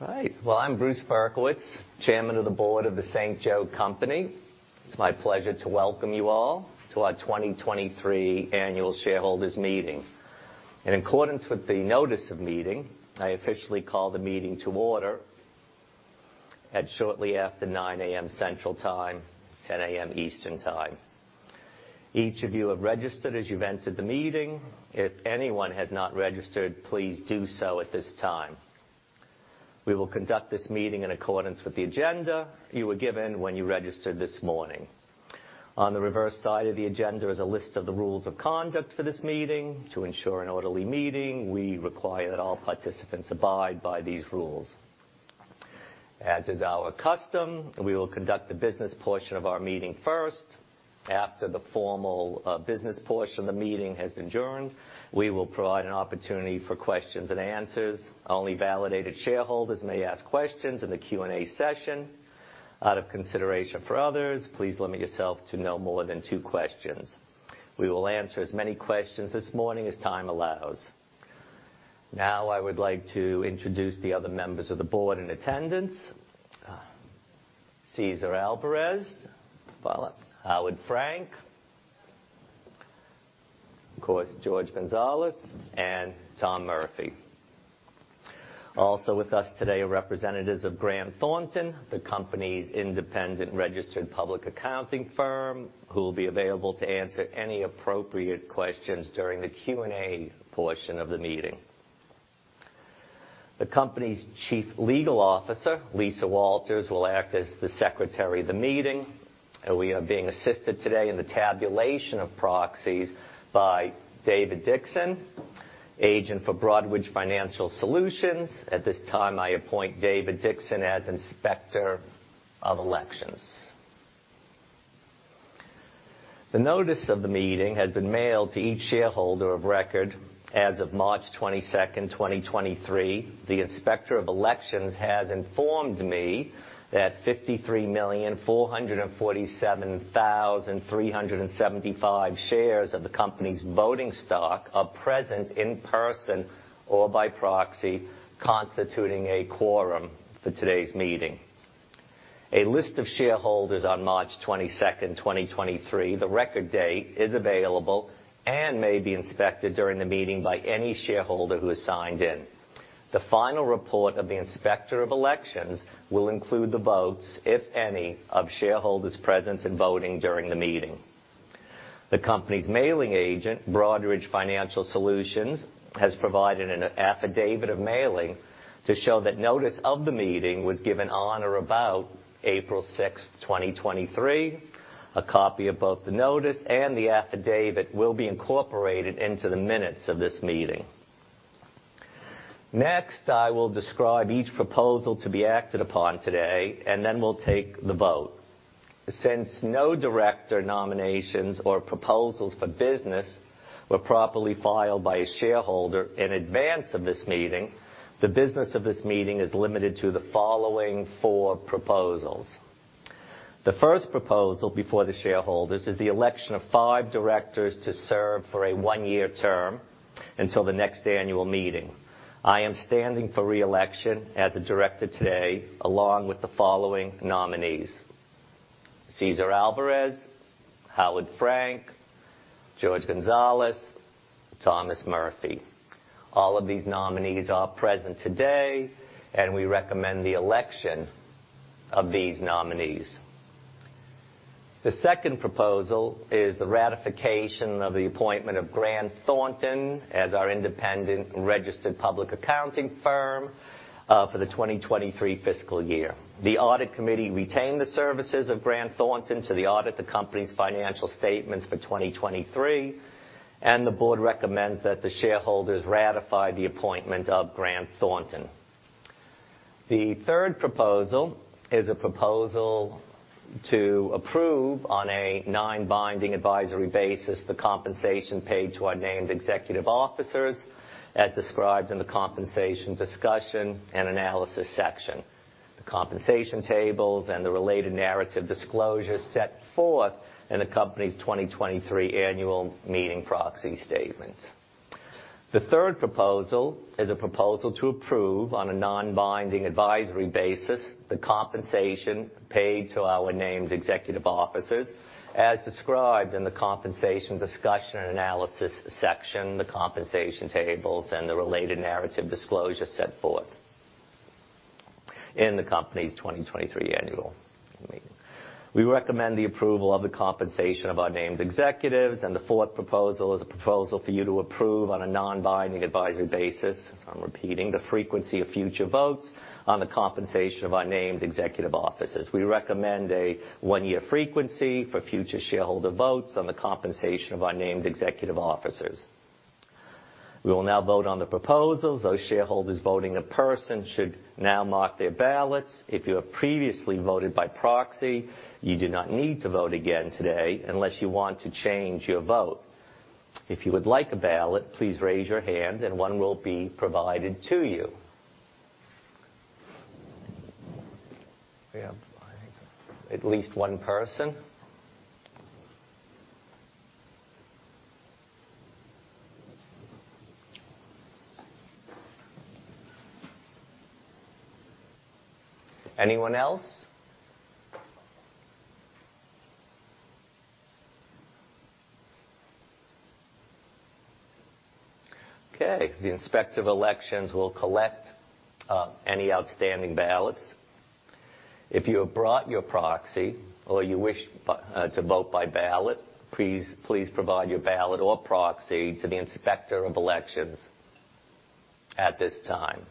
Right. Well, I'm Bruce Berkowitz, Chairman of the Board of The St. Joe Company. It's my pleasure to welcome you all to our 2023 Annual Shareholders Meeting. In accordance with the notice of meeting, I officially call the meeting to order at shortly after 9:00 A.M. Central Time, 10:00 A.M. Eastern Time. Each of you have registered as you've entered the meeting. If anyone has not registered, please do so at this time. We will conduct this meeting in accordance with the agenda you were given when you registered this morning. On the reverse side of the agenda is a list of the rules of conduct for this meeting. To ensure an orderly meeting, we require that all participants abide by these rules. As is our custom, we will conduct the business portion of our meeting first. After the formal, business portion of the meeting has adjourned, we will provide an opportunity for questions and answers. Only validated shareholders may ask questions in the Q&A session. Out of consideration for others, please limit yourself to no more than two questions. We will answer as many questions this morning as time allows. Now, I would like to introduce the other members of the board in attendance. Cesar Alvarez, Paula, Howard Frank, of course, Jorge Gonzalez, and Tom Murphy. Also with us today are representatives of Grant Thornton, the company's independent registered public accounting firm, who will be available to answer any appropriate questions during the Q&A portion of the meeting. The company's chief legal officer, Lisa Walters, will act as the secretary of the meeting. We are being assisted today in the tabulation of proxies by David Dixon, agent for Broadridge Financial Solutions. At this time, I appoint David Dixon as Inspector of Elections. The notice of the meeting has been mailed to each shareholder of record as of March 22nd, 2023. The Inspector of Elections has informed me that 53,447,375 shares of the company's voting stock are present in person or by proxy, constituting a quorum for today's meeting. A list of shareholders on March 22nd, 2023, the record date, is available and may be inspected during the meeting by any shareholder who has signed in. The final report of the Inspector of Elections will include the votes, if any, of shareholders present and voting during the meeting. The company's mailing agent, Broadridge Financial Solutions, has provided an affidavit of mailing to show that notice of the meeting was given on or about April 6, 2023. A copy of both the notice and the affidavit will be incorporated into the minutes of this meeting. Next, I will describe each proposal to be acted upon today, and then we'll take the vote. Since no director nominations or proposals for business were properly filed by a shareholder in advance of this meeting, the business of this meeting is limited to the following four proposals. The first proposal before the shareholders is the election of five directors to serve for a one-year term until the next annual meeting. I am standing for re-election as the director today, along with the following nominees: Cesar Alvarez, Howard Frank, Jorge Gonzalez, Thomas Murphy. All of these nominees are present today, and we recommend the election of these nominees. The second proposal is the ratification of the appointment of Grant Thornton as our independent registered public accounting firm for the 2023 fiscal year. The audit committee retained the services of Grant Thornton to the audit the company's financial statements for 2023, and the board recommends that the shareholders ratify the appointment of Grant Thornton. The third proposal is a proposal to approve, on a non-binding advisory basis, the compensation paid to our named executive officers as described in the compensation discussion and analysis section, the compensation tables and the related narrative disclosures set forth in the company's 2023 annual meeting proxy statement. The third proposal is a proposal to approve, on a non-binding advisory basis, the compensation paid to our named executive officers, as described in the compensation discussion and analysis section, the compensation tables and the related narrative disclosure set forth in the company's 2023 annual meeting. We recommend the approval of the compensation of our named executives. The fourth proposal is a proposal for you to approve, on a non-binding advisory basis, so I'm repeating, the frequency of future votes on the compensation of our named executive officers. We recommend a one-year frequency for future shareholder votes on the compensation of our named executive officers. We will now vote on the proposals. Those shareholders voting in person should now mark their ballots. If you have previously voted by proxy, you do not need to vote again today unless you want to change your vote. If you would like a ballot, please raise your hand and one will be provided to you. We have at least one person. Anyone else? The Inspector of Elections will collect any outstanding ballots. If you have brought your proxy or you wish to vote by ballot, please provide your ballot or proxy to the Inspector of Elections at this time.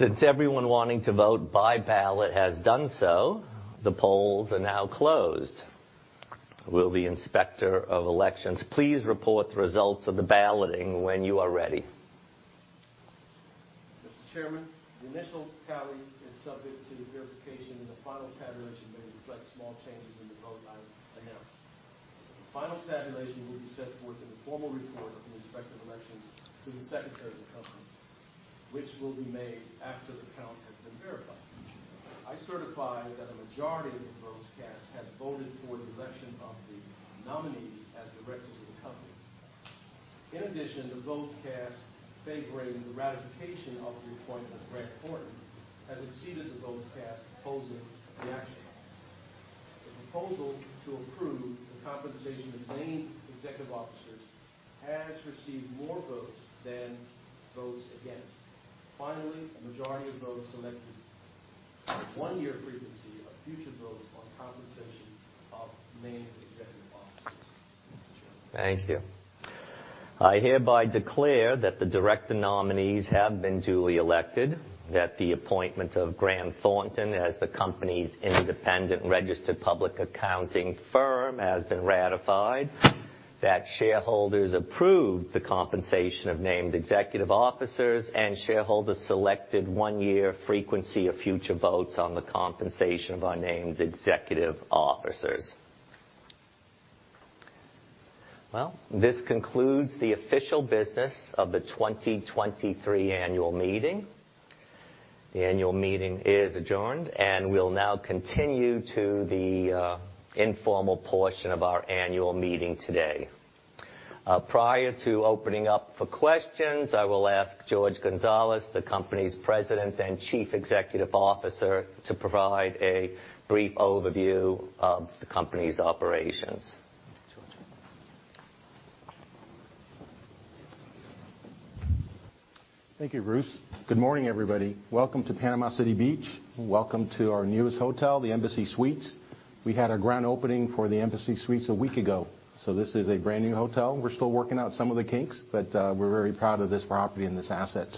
Since everyone wanting to vote by ballot has done so, the polls are now closed. Will the Inspector of Elections please report the results of the balloting when you are ready. Mr. Chairman, the initial tally is subject to verification, and the final tabulation may reflect small changes in the vote I announce. The final tabulation will be set forth in the formal report of the Inspector of Elections to the Secretary of the company, which will be made after the count has been verified. I certify that a majority of the votes cast have voted for the election of the nominees as directors of the company. In addition, the votes cast favoring the ratification of the appointment of Grant Thornton has exceeded the votes cast opposing the action. The proposal to approve the compensation of named executive officers has received more votes than votes against. Finally, a majority of votes elected one year frequency of future votes on compensation of named executive officers. Mr. Chairman. Thank you. I hereby declare that the director nominees have been duly elected, that the appointment of Grant Thornton as the company's independent registered public accounting firm has been ratified, that shareholders approved the compensation of named executive officers, and shareholders selected one year frequency of future votes on the compensation of our named executive officers. This concludes the official business of the 2023 annual meeting. The annual meeting is adjourned, we'll now continue to the informal portion of our annual meeting today. Prior to opening up for questions, I will ask Jorge Gonzalez, the company's President and Chief Executive Officer, to provide a brief overview of the company's operations. Jorge. Thank you, Bruce. Good morning, everybody. Welcome to Panama City Beach. Welcome to our newest hotel, the Embassy Suites. We had our grand opening for the Embassy Suites a week ago, so this is a brand-new hotel. We're still working out some of the kinks, but we're very proud of this property and this asset.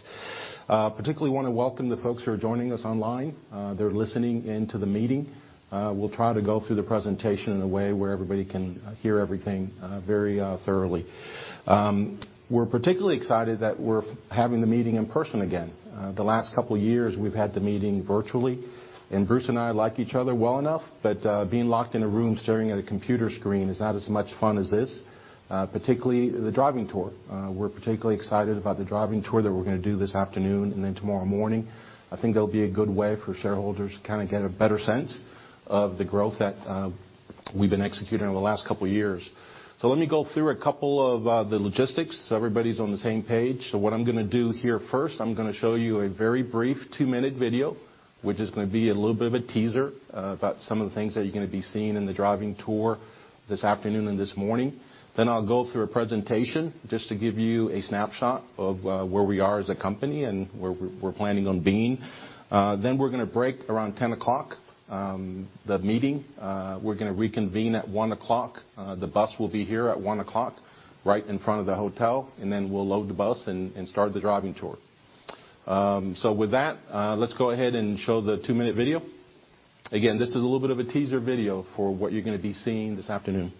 Particularly wanna welcome the folks who are joining us online. They're listening into the meeting. We'll try to go through the presentation in a way where everybody can hear everything very thoroughly. We're particularly excited that we're having the meeting in person again. The last couple years we've had the meeting virtually. Bruce and I like each other well enough, but being locked in a room staring at a computer screen is not as much fun as this, particularly the driving tour. We're particularly excited about the driving tour that we're gonna do this afternoon and then tomorrow morning. I think that'll be a good way for shareholders to kind of get a better sense of the growth that we've been executing over the last couple years. Let me go through a couple of the logistics so everybody's on the same page. What I'm gonna do here first, I'm gonna show you a very brief two-minute video, which is gonna be a little bit of a teaser about some of the things that you're gonna be seeing in the driving tour this afternoon and this morning. I'll go through a presentation just to give you a snapshot of where we are as a company and where we're planning on being. We're gonna break around 10:00, the meeting. We're gonna reconvene at 1:00. The bus will be here at 1:00, right in front of the hotel, we'll load the bus and start the driving tour. With that, let's go ahead and show the two-minute video. Again, this is a little bit of a teaser video for what you're gonna be seeing this afternoon.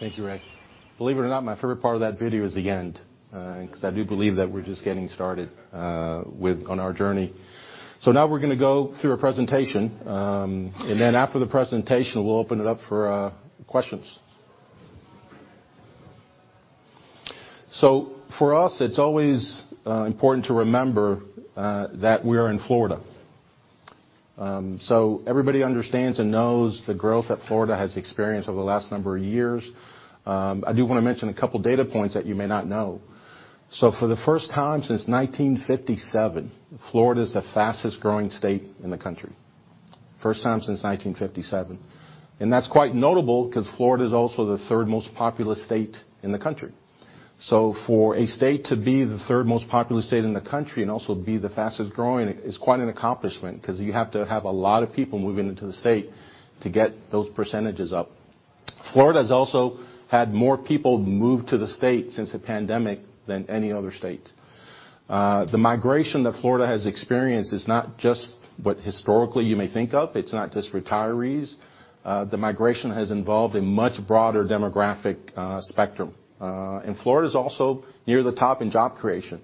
Thank you, Ray. Believe it or not, my favorite part of that video is the end, 'cause I do believe that we're just getting started on our journey. Now we're gonna go through a presentation, after the presentation, we'll open it up for questions. For us, it's always important to remember that we're in Florida. Everybody understands and knows the growth that Florida has experienced over the last number of years. I do wanna mention a couple data points that you may not know. For the first time since 1957, Florida's the fastest-growing state in the country. First time since 1957. That's quite notable 'cause Florida is also the 3rd most populous state in the country. For a state to be the 3rd most populous state in the country and also be the fastest growing is quite an accomplishment 'cause you have to have a lot of people moving into the state to get those percentages up. Florida's also had more people move to the state since the pandemic than any other state. The migration that Florida has experienced is not just what historically you may think of. It's not just retirees. The migration has involved a much broader demographic spectrum. Florida's also near the top in job creation.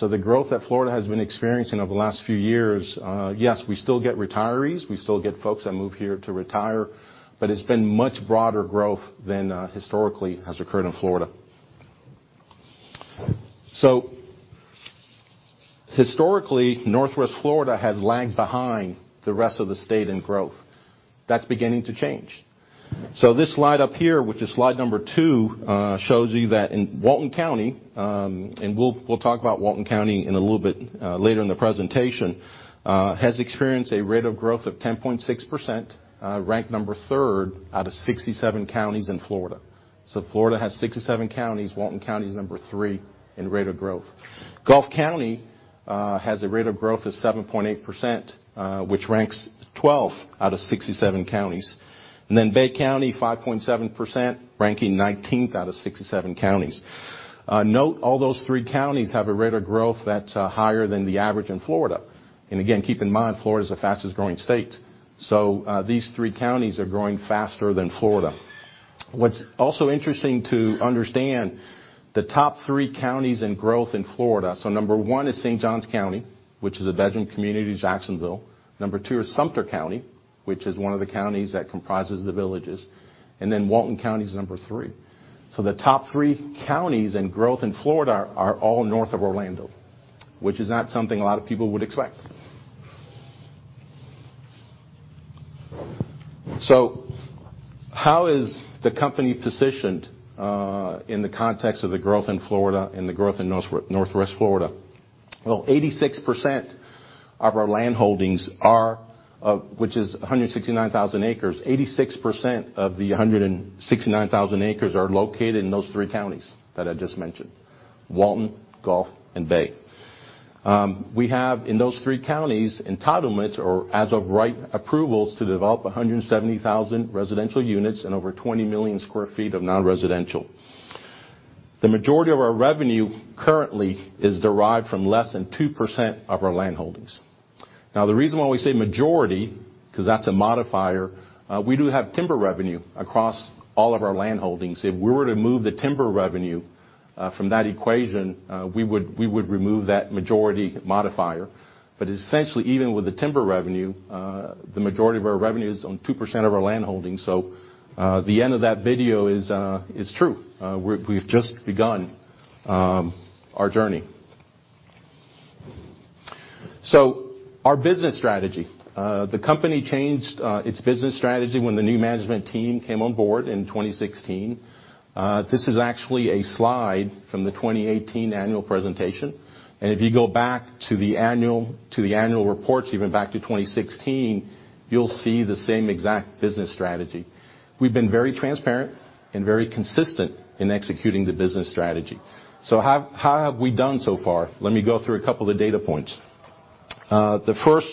The growth that Florida has been experiencing over the last few years, yes, we still get retirees. We still get folks that move here to retire, but it's been much broader growth than historically has occurred in Florida. Historically, Northwest Florida has lagged behind the rest of the state in growth. That's beginning to change. This slide up here, which is slide number two, shows you that in Walton County, and we'll talk about Walton County in a little bit later in the presentation, has experienced a rate of growth of 10.6%, ranked number 3rd out of 67 counties in Florida. Florida has 67 counties. Walton County is number 3 in rate of growth. Gulf County has a rate of growth of 7.8%, which ranks 12 out of 67 counties. Bay County, 5.7%, ranking 19th out of 67 counties. Note all those three counties have a rate of growth that's higher than the average in Florida. Again, keep in mind, Florida is the fastest-growing state, so these three counties are growing faster than Florida. What's also interesting to understand, the top three counties in growth in Florida, so number one is St. Johns County, which is a bedroom community to Jacksonville. Number two is Sumter County, which is one of the counties that comprises The Villages. Walton County is number three. The top three counties in growth in Florida are all north of Orlando, which is not something a lot of people would expect. How is the company positioned in the context of the growth in Florida and the growth in Northwest Florida? 86% of our land holdings are, which is 169,000 acres. 86% of the 169,000 acres are located in those three counties that I just mentioned, Walton, Gulf, and Bay. We have, in those three counties, entitlements or as of right approvals to develop 170,000 residential units and over 20 million sq ft of non-residential. The majority of our revenue currently is derived from less than 2% of our land holdings. The reason why we say majority, 'cause that's a modifier, we do have timber revenue across all of our land holdings. If we were to move the timber revenue from that equation, we would remove that majority modifier. Essentially, even with the timber revenue, the majority of our revenue is on 2% of our land holdings. The end of that video is true. We've just begun our journey. Our business strategy. The company changed its business strategy when the new management team came on board in 2016. This is actually a slide from the 2018 annual presentation, and if you go back to the annual reports, even back to 2016, you'll see the same exact business strategy. We've been very transparent and very consistent in executing the business strategy. How have we done so far? Let me go through a couple of data points. The first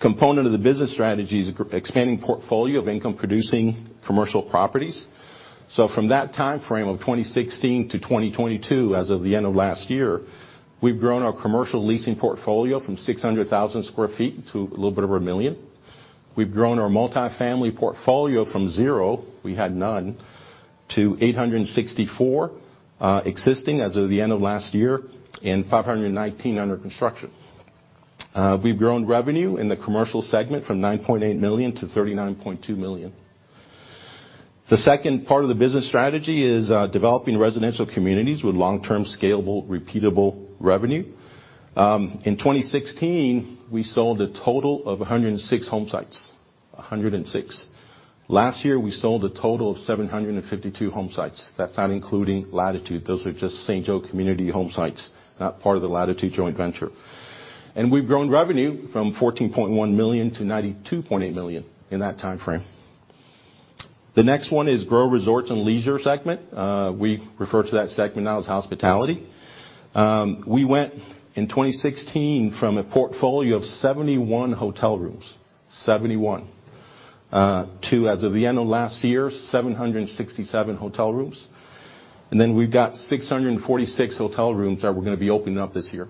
component of the business strategy is expanding portfolio of income-producing commercial properties. From that timeframe of 2016 to 2022, as of the end of last year. We've grown our commercial leasing portfolio from 600,000 sq ft to a little bit over one million sq ft. We've grown our multifamily portfolio from zero, we had none, to 864 existing as of the end of last year and 519 under construction. We've grown revenue in the commercial segment from $9.8 million-$39.2 million. The second part of the business strategy is developing residential communities with long-term scalable, repeatable revenue. In 2016, we sold a total of 106 home sites. 106. Last year, we sold a total of 752 home sites. That's not including Latitude. Those are just St. Joe. Joe community home sites, not part of the Latitude joint venture. We've grown revenue from $14.1 million-$92.8 million in that timeframe. The next one is grow resorts and leisure segment. We refer to that segment now as hospitality. We went, in 2016, from a portfolio of 71 hotel rooms to, as of the end of last year, 767 hotel rooms. We've got 646 hotel rooms that we're gonna be opening up this year.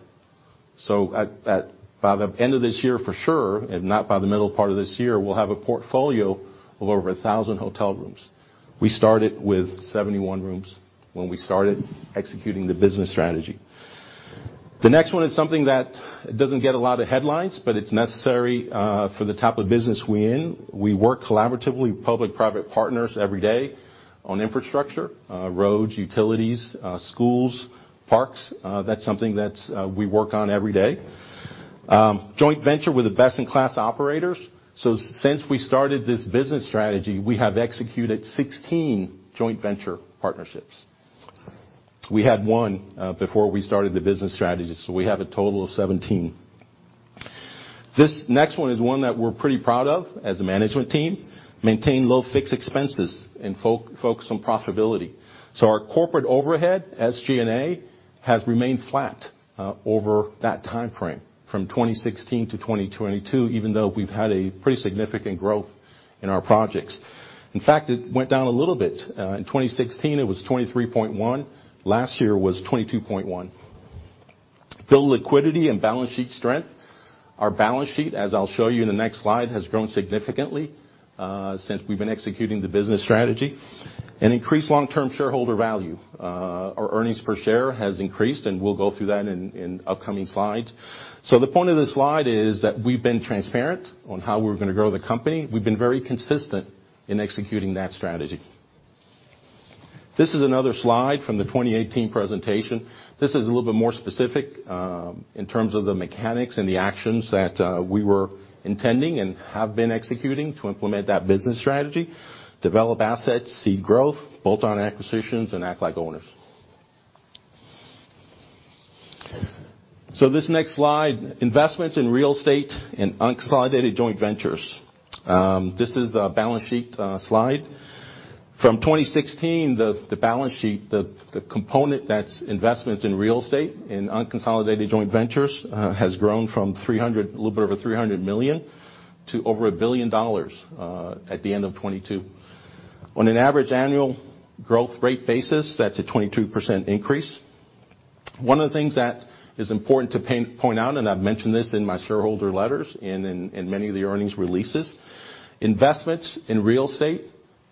By the end of this year, for sure, if not by the middle part of this year, we'll have a portfolio of over 1,000 hotel rooms. We started with 71 rooms when we started executing the business strategy. The next one is something that doesn't get a lot of headlines. It's necessary for the type of business we're in. We work collaboratively with public-private partners every day on infrastructure, roads, utilities, schools, parks. That's something that we work on every day. Joint venture with the best-in-class operators. Since we started this business strategy, we have executed 16 joint venture partnerships. We had one before we started the business strategy. We have a total of 17. This next one is one that we're pretty proud of as a management team: maintain low fixed expenses and focus on profitability. Our corporate overhead, SG&A, has remained flat over that timeframe, from 2016 to 2022, even though we've had a pretty significant growth in our projects. In fact, it went down a little bit. In 2016, it was 23.1. Last year, it was 22.1. Build liquidity and balance sheet strength. Our balance sheet, as I'll show you in the next slide, has grown significantly since we've been executing the business strategy. Increase long-term shareholder value. Our earnings per share has increased, and we'll go through that in upcoming slides. The point of this slide is that we've been transparent on how we're gonna grow the company. We've been very consistent in executing that strategy. This is another slide from the 2018 presentation. This is a little bit more specific in terms of the mechanics and the actions that we were intending and have been executing to implement that business strategy, develop assets, seed growth, bolt on acquisitions, and act like owners. This next slide, investments in real estate and unconsolidated joint ventures. This is a balance sheet slide. From 2016, the balance sheet, the component that's investment in real estate in unconsolidated joint ventures has grown from a little bit of a $300 million to over $1 billion at the end of 2022. On an average annual growth rate basis, that's a 22% increase. One of the things that is important to point out, and I've mentioned this in my shareholder letters and in many of the earnings releases, investments in real estate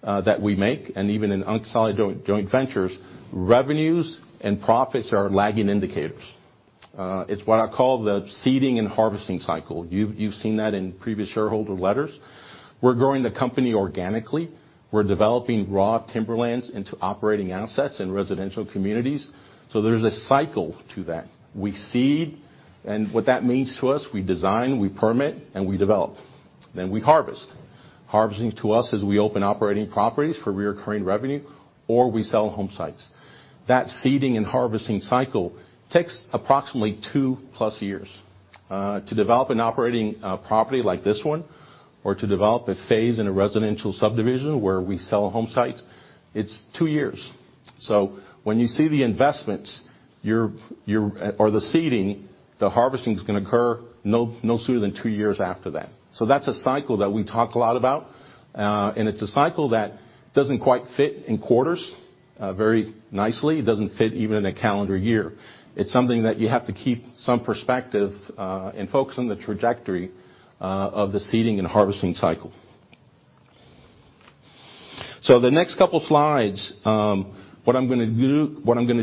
that we make, and even in unconsolidated joint ventures, revenues and profits are lagging indicators. It's what I call the seeding and harvesting cycle. You've seen that in previous shareholder letters. We're growing the company organically. We're developing raw timberlands into operating assets in residential communities. There's a cycle to that. We seed, and what that means to us, we design, we permit, and we develop, then we harvest. Harvesting to us is we open operating properties for recurring revenue, or we sell home sites. That seeding and harvesting cycle takes approximately 2+ years. To develop an operating property like this one or to develop a phase in a residential subdivision where we sell home sites, it's two years. When you see the investments, you're or the seeding, the harvesting's gonna occur no sooner than two years after that. That's a cycle that we talk a lot about, and it's a cycle that doesn't quiet fit in quarters very nicely. It doesn't fit even in a calendar year. It's something that you have to keep some perspective, and focus on the trajectory of the seeding and harvesting cycle. The next couple slides, what I'm gonna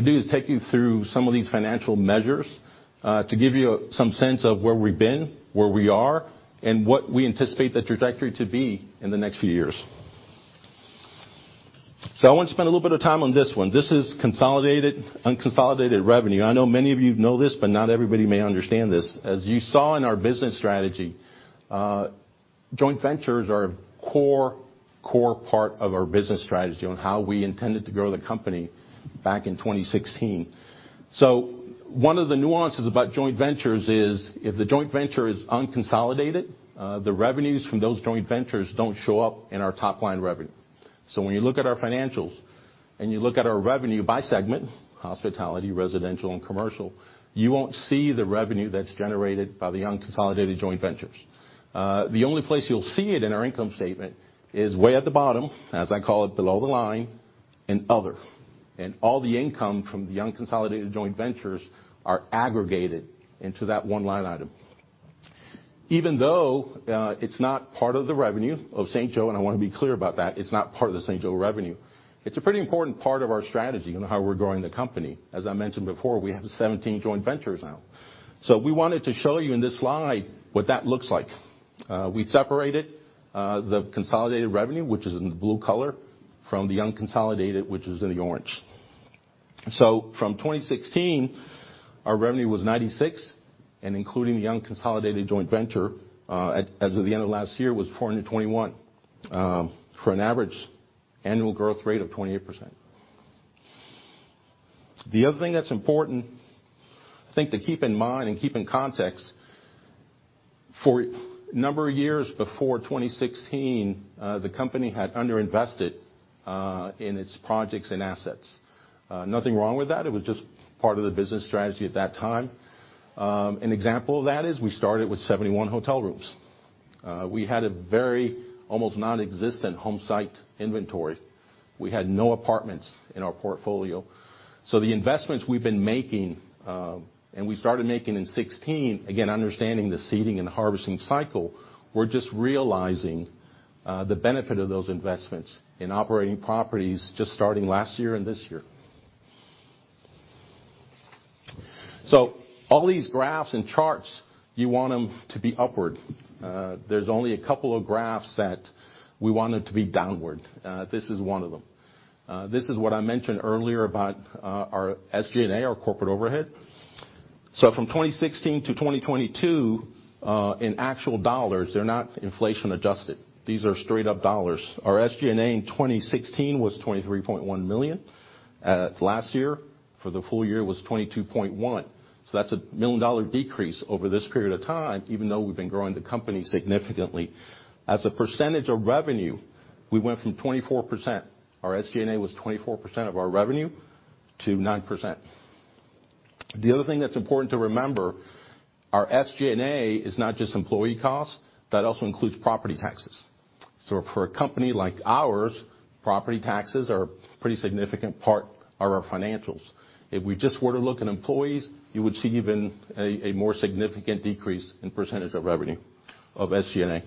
do is take you through some of these financial measures to give you some sense of where we've been, where we are, and what we anticipate the trajectory to be in the next few years. I want to spend a little bit of time on this one. This is unconsolidated revenue. I know many of you know this, but not everybody may understand this. As you saw in our business strategy, joint ventures are a core part of our business strategy on how we intended to grow the company back in 2016. One of the nuances about joint ventures is if the joint venture is unconsolidated, the revenues from those joint ventures don't show up in our top-line revenue. When you look at our financials and you look at our revenue by segment, hospitality, residential, and commercial, you won't see the revenue that's generated by the unconsolidated joint ventures. The only place you'll see it in our income statement is way at the bottom, as I call it, below the line-And other. All the income from the unconsolidated joint ventures are aggregated into that one line item. Even though, it's not part of the revenue of St. Joe, and I wanna be clear about that, it's not part of the St. Joe revenue, it's a pretty important part of our strategy and how we're growing the company. As I mentioned before, we have 17 joint ventures now. We wanted to show you in this slide what that looks like. We separated the consolidated revenue, which is in the blue color from the unconsolidated, which is in the orange. From 2016, our revenue was $96, and including the unconsolidated joint venture, as of the end of last year, was $421 for an average annual growth rate of 28%. The other thing that's important, I think, to keep in mind and keep in context, for a number of years before 2016, the company had underinvested in its projects and assets. Nothing wrong with that. It was just part of the business strategy at that time. An example of that is we started with 71 hotel rooms. We had a very almost nonexistent home site inventory. We had no apartments in our portfolio. The investments we've been making, and we started making in 2016, again, understanding the seeding and harvesting cycle, we're just realizing the benefit of those investments in operating properties just starting last year and this year. All these graphs and charts, you want them to be upward. There's only a couple of graphs that we want them to be downward. This is one of them. This is what I mentioned earlier about our SG&A, our corporate overhead. From 2016 to 2022, in actual dollars, they're not inflation adjusted. These are straight up dollars. Our SG&A in 2016 was $23.1 million. Last year for the full year was $22.1 million. That's a $1 million decrease over this period of time, even though we've been growing the company significantly. As a percentage of revenue, we went from 24%, our SG&A was 24% of our revenue, to 9%. The other thing that's important to remember, our SG&A is not just employee costs, that also includes property taxes. For a company like ours, property taxes are a pretty significant part of our financials. If we just were to look at employees, you would see even a more significant decrease in percentage of revenue of SG&A.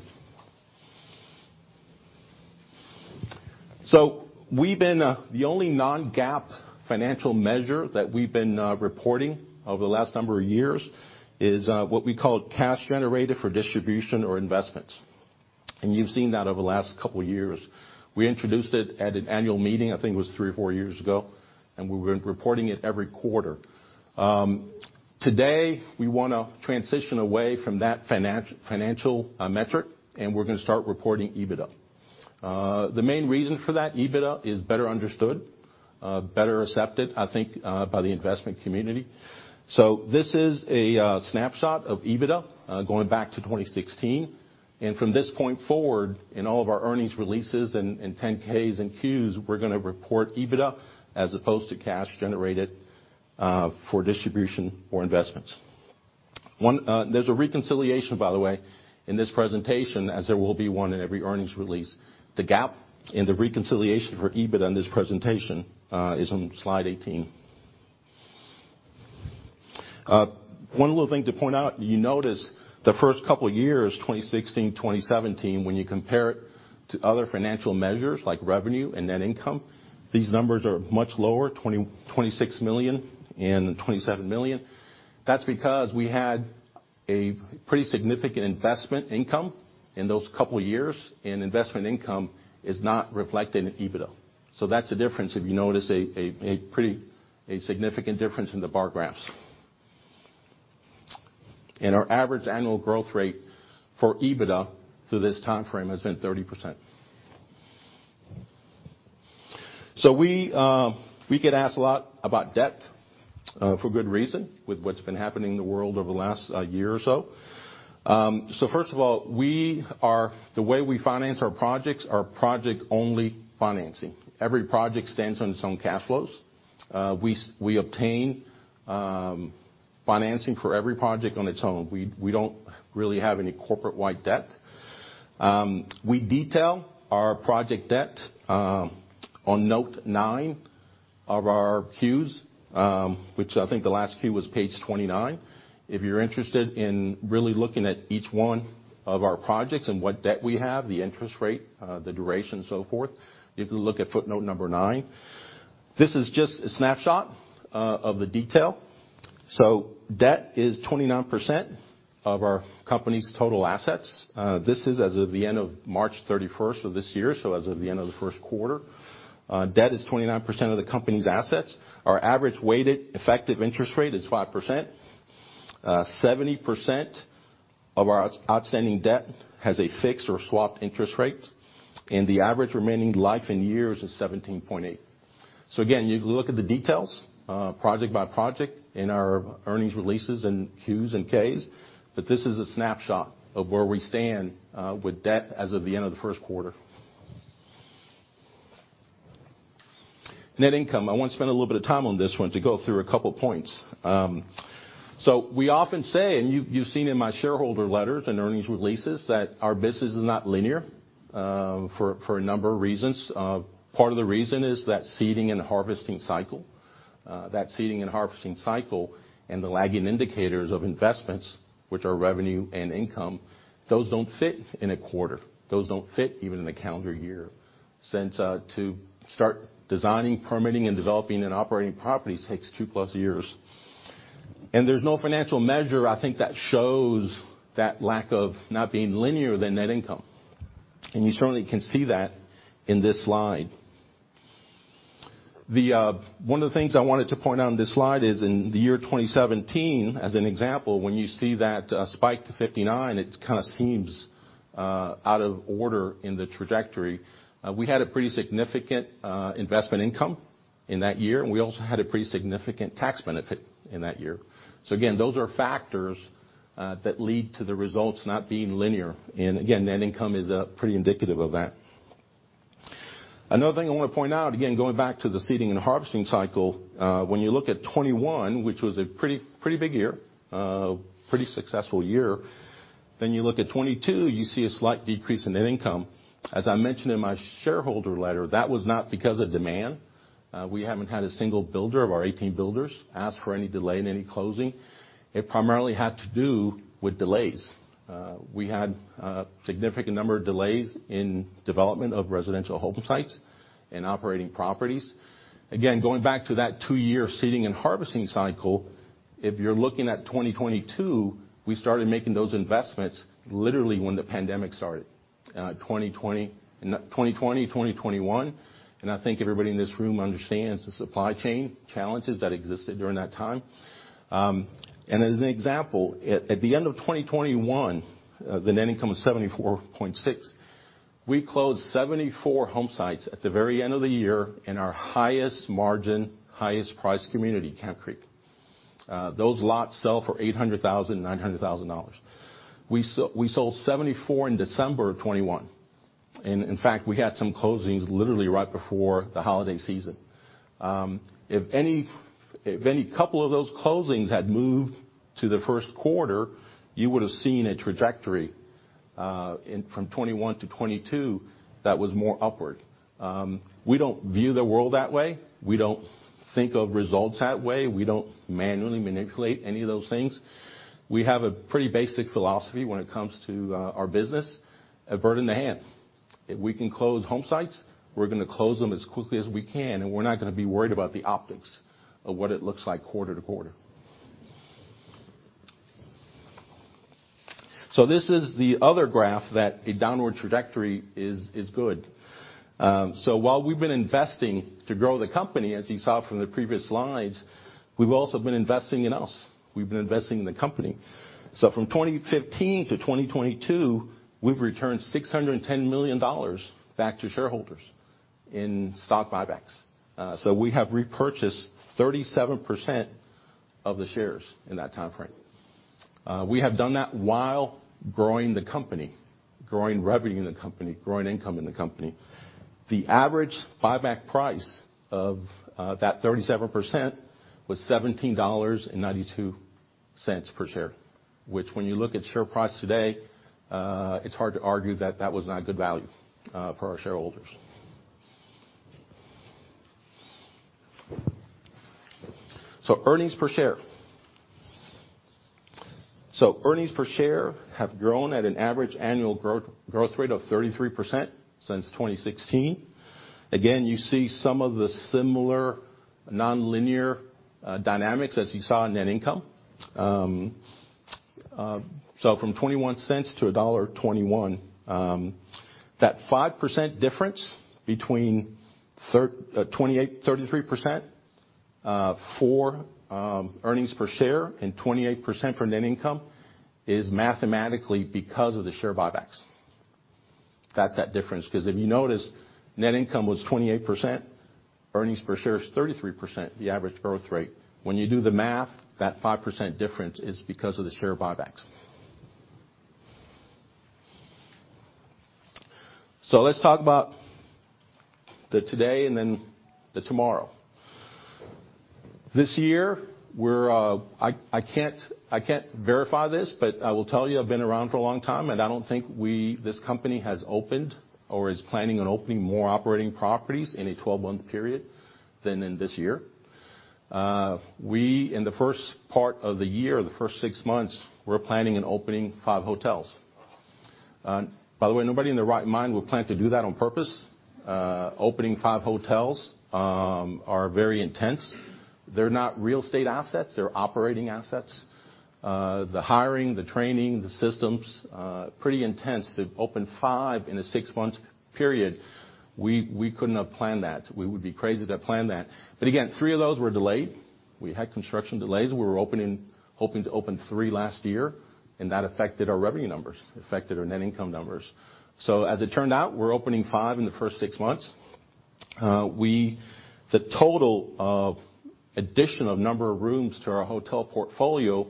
We've been, the only non-GAAP financial measure that we've been reporting over the last number of years is what we call cash generated for distribution or investments. You've seen that over the last couple of years. We introduced it at an annual meeting, I think it was three or four years ago, and we've been reporting it every quarter. Today, we wanna transition away from that financial metric, and we're gonna start reporting EBITDA. The main reason for that, EBITDA is better understood, better accepted, I think, by the investment community. This is a snapshot of EBITDA going back to 2016. From this point forward, in all of our earnings releases and 10-Ks and Qs, we're gonna report EBITDA as opposed to cash generated for distribution or investments. There's a reconciliation, by the way, in this presentation, as there will be one in every earnings release. The GAAP and the reconciliation for EBITDA in this presentation is on slide 18. One little thing to point out, you notice the first couple of years, 2016, 2017, when you compare it to other financial measures like revenue and net income, these numbers are much lower, $26 million and $27 million. That's because we had a pretty significant investment income in those couple of years, and investment income is not reflected in EBITDA. That's the difference, if you notice a pretty significant difference in the bar graphs. Our average annual growth rate for EBITDA through this timeframe has been 30%. We get asked a lot about debt, for good reason, with what's been happening in the world over the last year or so. First of all, the way we finance our projects are project-only financing. Every project stands on its own cash flows. We obtain financing for every project on its own. We don't really have any corporate-wide debt. We detail our project debt on note nine of our Qs, which I think the last Q was page 29. If you're interested in really looking at each one of our projects and what debt we have, the interest rate, the duration, so forth, you can look at footnote number 9. This is just a snapshot of the detail. Debt is 29% of our company's total assets. This is as of the end of March 31st of this year, as of the end of the first quarter. Debt is 29% of the company's assets. Our average weighted effective interest rate is 5%. 70% of our out-outstanding debt has a fixed or swapped interest rate, and the average remaining life in years is 17.8. Again, you can look at the details, project by project in our earnings releases and Q's and K's, but this is a snapshot of where we stand with debt as of the end of the first quarter. Net income. I want to spend a little bit of time on this one to go through a couple of points. We often say, and you've seen in my shareholder letters and earnings releases that our business is not linear, for a number of reasons. Part of the reason is that seeding and harvesting cycle. That seeding and harvesting cycle and the lagging indicators of investments, which are revenue and income, those don't fit in a quarter. Those don't fit even in a calendar year since to start designing, permitting, and developing an operating property takes 2+ years. There's no financial measure, I think, that shows that lack of not being linear than net income. You certainly can see that in this slide. One of the things I wanted to point out on this slide is in the year 2017, as an example, when you see that spike to 59, it kind of seems out of order in the trajectory. We had a pretty significant investment income in that year, and we also had a pretty significant tax benefit in that year. Again, those are factors that lead to the results not being linear. Again, net income is pretty indicative of that. Another thing I want to point out, again, going back to the seeding and harvesting cycle, when you look at 21, which was a pretty big year, pretty successful year. Then you look at 22, you see a slight decrease in net income. As I mentioned in my shareholder letter, that was not because of demand. We haven't had a single builder of our 18 builders ask for any delay in any closing. It primarily had to do with delays. We had a significant number of delays in development of residential home sites and operating properties. Again, going back to that two-year seeding and harvesting cycle, if you're looking at 2022, we started making those investments literally when the pandemic started, In 2020, 2021. I think everybody in this room understands the supply chain challenges that existed during that time. As an example, at the end of 2021, the net income was $74.6. We closed 74 home sites at the very end of the year in our highest margin, highest price community, Camp Creek. Those lots sell for $800,000, $900,000. We sold 74 in December of 21. In fact, we had some closings literally right before the holiday season. If any couple of those closings had moved to the 1st quarter, you would have seen a trajectory in from 21 to 22 that was more upward. We don't view the world that way. We don't think of results that way. We don't manually manipulate any of those things. We have a pretty basic philosophy when it comes to our business, a bird in the hand. If we can close home sites, we're gonna close them as quickly as we can, and we're not gonna be worried about the optics of what it looks like quarter to quarter. This is the other graph that a downward trajectory is good. While we've been investing to grow the company, as you saw from the previous slides, we've also been investing in us. We've been investing in the company. From 2015 to 2022, we've returned $610 million back to shareholders in stock buybacks. So we have repurchased 37% of the shares in that timeframe. We have done that while growing the company, growing revenue in the company, growing income in the company. The average buyback price of that 37% was $17.92 per share, which when you look at share price today, it's hard to argue that that was not good value for our shareholders. Earnings per share. Earnings per share have grown at an average annual growth rate of 33% since 2016. Again, you see some of the similar nonlinear dynamics as you saw in net income. From $0.21 to $1.21, that 5% difference between 33% for earnings per share and 28% for net income is mathematically because of the share buybacks. That's that difference, 'cause if you notice, net income was 28%. Earnings per share is 33%, the average growth rate. When you do the math, that 5% difference is because of the share buybacks. Let's talk about the today and then the tomorrow. This year, I can't verify this, but I will tell you I've been around for a long time, and I don't think this company has opened or is planning on opening more operating properties in a 12-month period than in this year. In the first part of the year, the first six months, we're planning on opening five hotels. By the way, nobody in their right mind would plan to do that on purpose. Opening five hotels are very intense. They're not real estate assets. They're operating assets. The hiring, the training, the systems, pretty intense to open five in a six-month period. We couldn't have planned that. We would be crazy to plan that. Again, three of those were delayed. We had construction delays. We were hoping to open three last year, and that affected our revenue numbers, affected our net income numbers. As it turned out, we're opening five in the first six months. The total of addition of number of rooms to our hotel portfolio,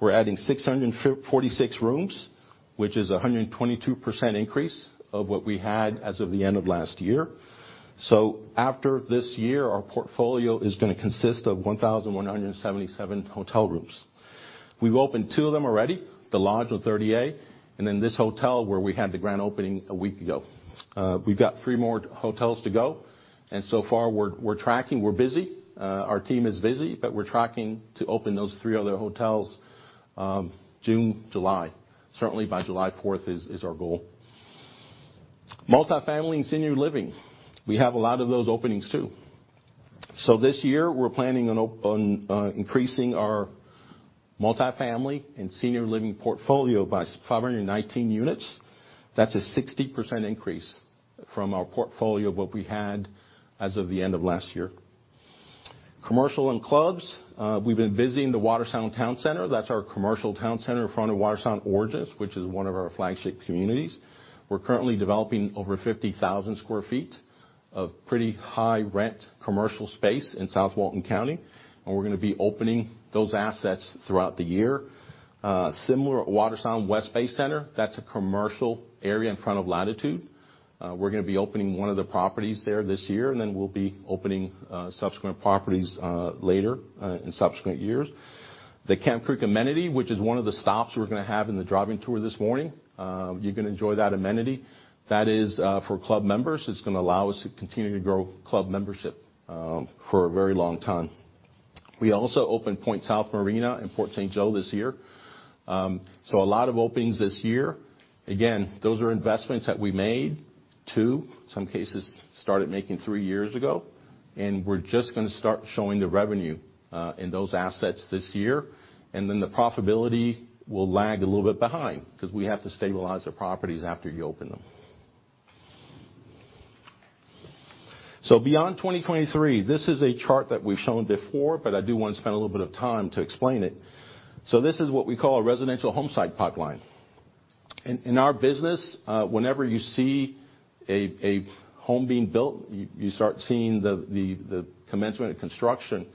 we're adding 646 rooms. Which is a 122% increase of what we had as of the end of last year. After this year, our portfolio is gonna consist of 1,177 hotel rooms. We've opened two of them already, The Lodge 30A, and then this hotel where we had the grand opening a week ago. We've got three more hotels to go, and so far we're tracking. We're busy. Our team is busy, but we're tracking to open those three other hotels June, July. Certainly by July fourth is our goal. Multifamily and senior living. We have a lot of those openings too. This year we're planning on increasing our multifamily and senior living portfolio by 519 units. That's a 60% increase from our portfolio of what we had as of the end of last year. Commercial and clubs, we've been busy in the Watersound Town Center. That's our commercial town center in front of Watersound Origins, which is one of our flagship communities. We're currently developing over 50,000 sq ft of pretty high rent commercial space in South Walton County, and we're gonna be opening those assets throughout the year. Similar at Watersound West Bay Center, that's a commercial area in front of Latitude. We're gonna be opening one of the properties there this year, then we'll be opening subsequent properties later in subsequent years. The Camp Creek amenity, which is one of the stops we're gonna have in the driving tour this morning, you're gonna enjoy that amenity. That is for club members. It's gonna allow us to continue to grow club membership for a very long time. We also opened Point South Marina in Port St. Joe this year. So a lot of openings this year. Again, those are investments that we made, some cases started making three years ago, and we're just gonna start showing the revenue in those assets this year. Then the profitability will lag a little bit behind 'cause we have to stabilize the properties after you open them. Beyond 2023, this is a chart that we've shown before, but I do wanna spend a little bit of time to explain it. This is what we call a residential homesite pipeline. In our business, whenever you see a home being built, you start seeing the commencement of construction.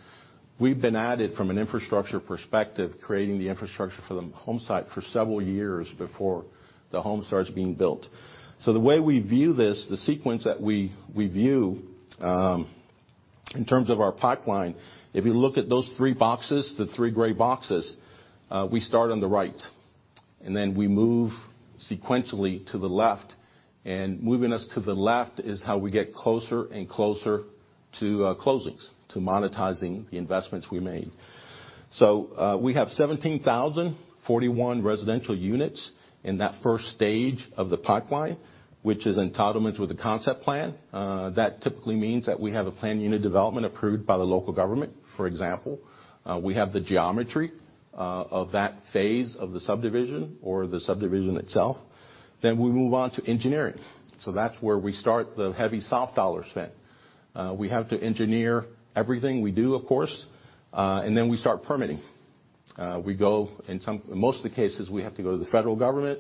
We've been at it from an infrastructure perspective, creating the infrastructure for the homesite for several years before the home starts being built. The way we view this, the sequence that we view, in terms of our pipeline, if you look at those three boxes, the three gray boxes, we start on the right, then we move sequentially to the left. Moving us to the left is how we get closer and closer to closings, to monetizing the investments we made. We have 17,041 residential units in that first stage of the pipeline, which is entitlements with a concept plan. That typically means that we have a planned unit development approved by the local government, for example. We have the geometry of that phase of the subdivision or the subdivision itself. We move on to engineering. That's where we start the heavy soft dollar spend. We have to engineer everything we do, of course, and then we start permitting. We go in most of the cases, we have to go to the federal government,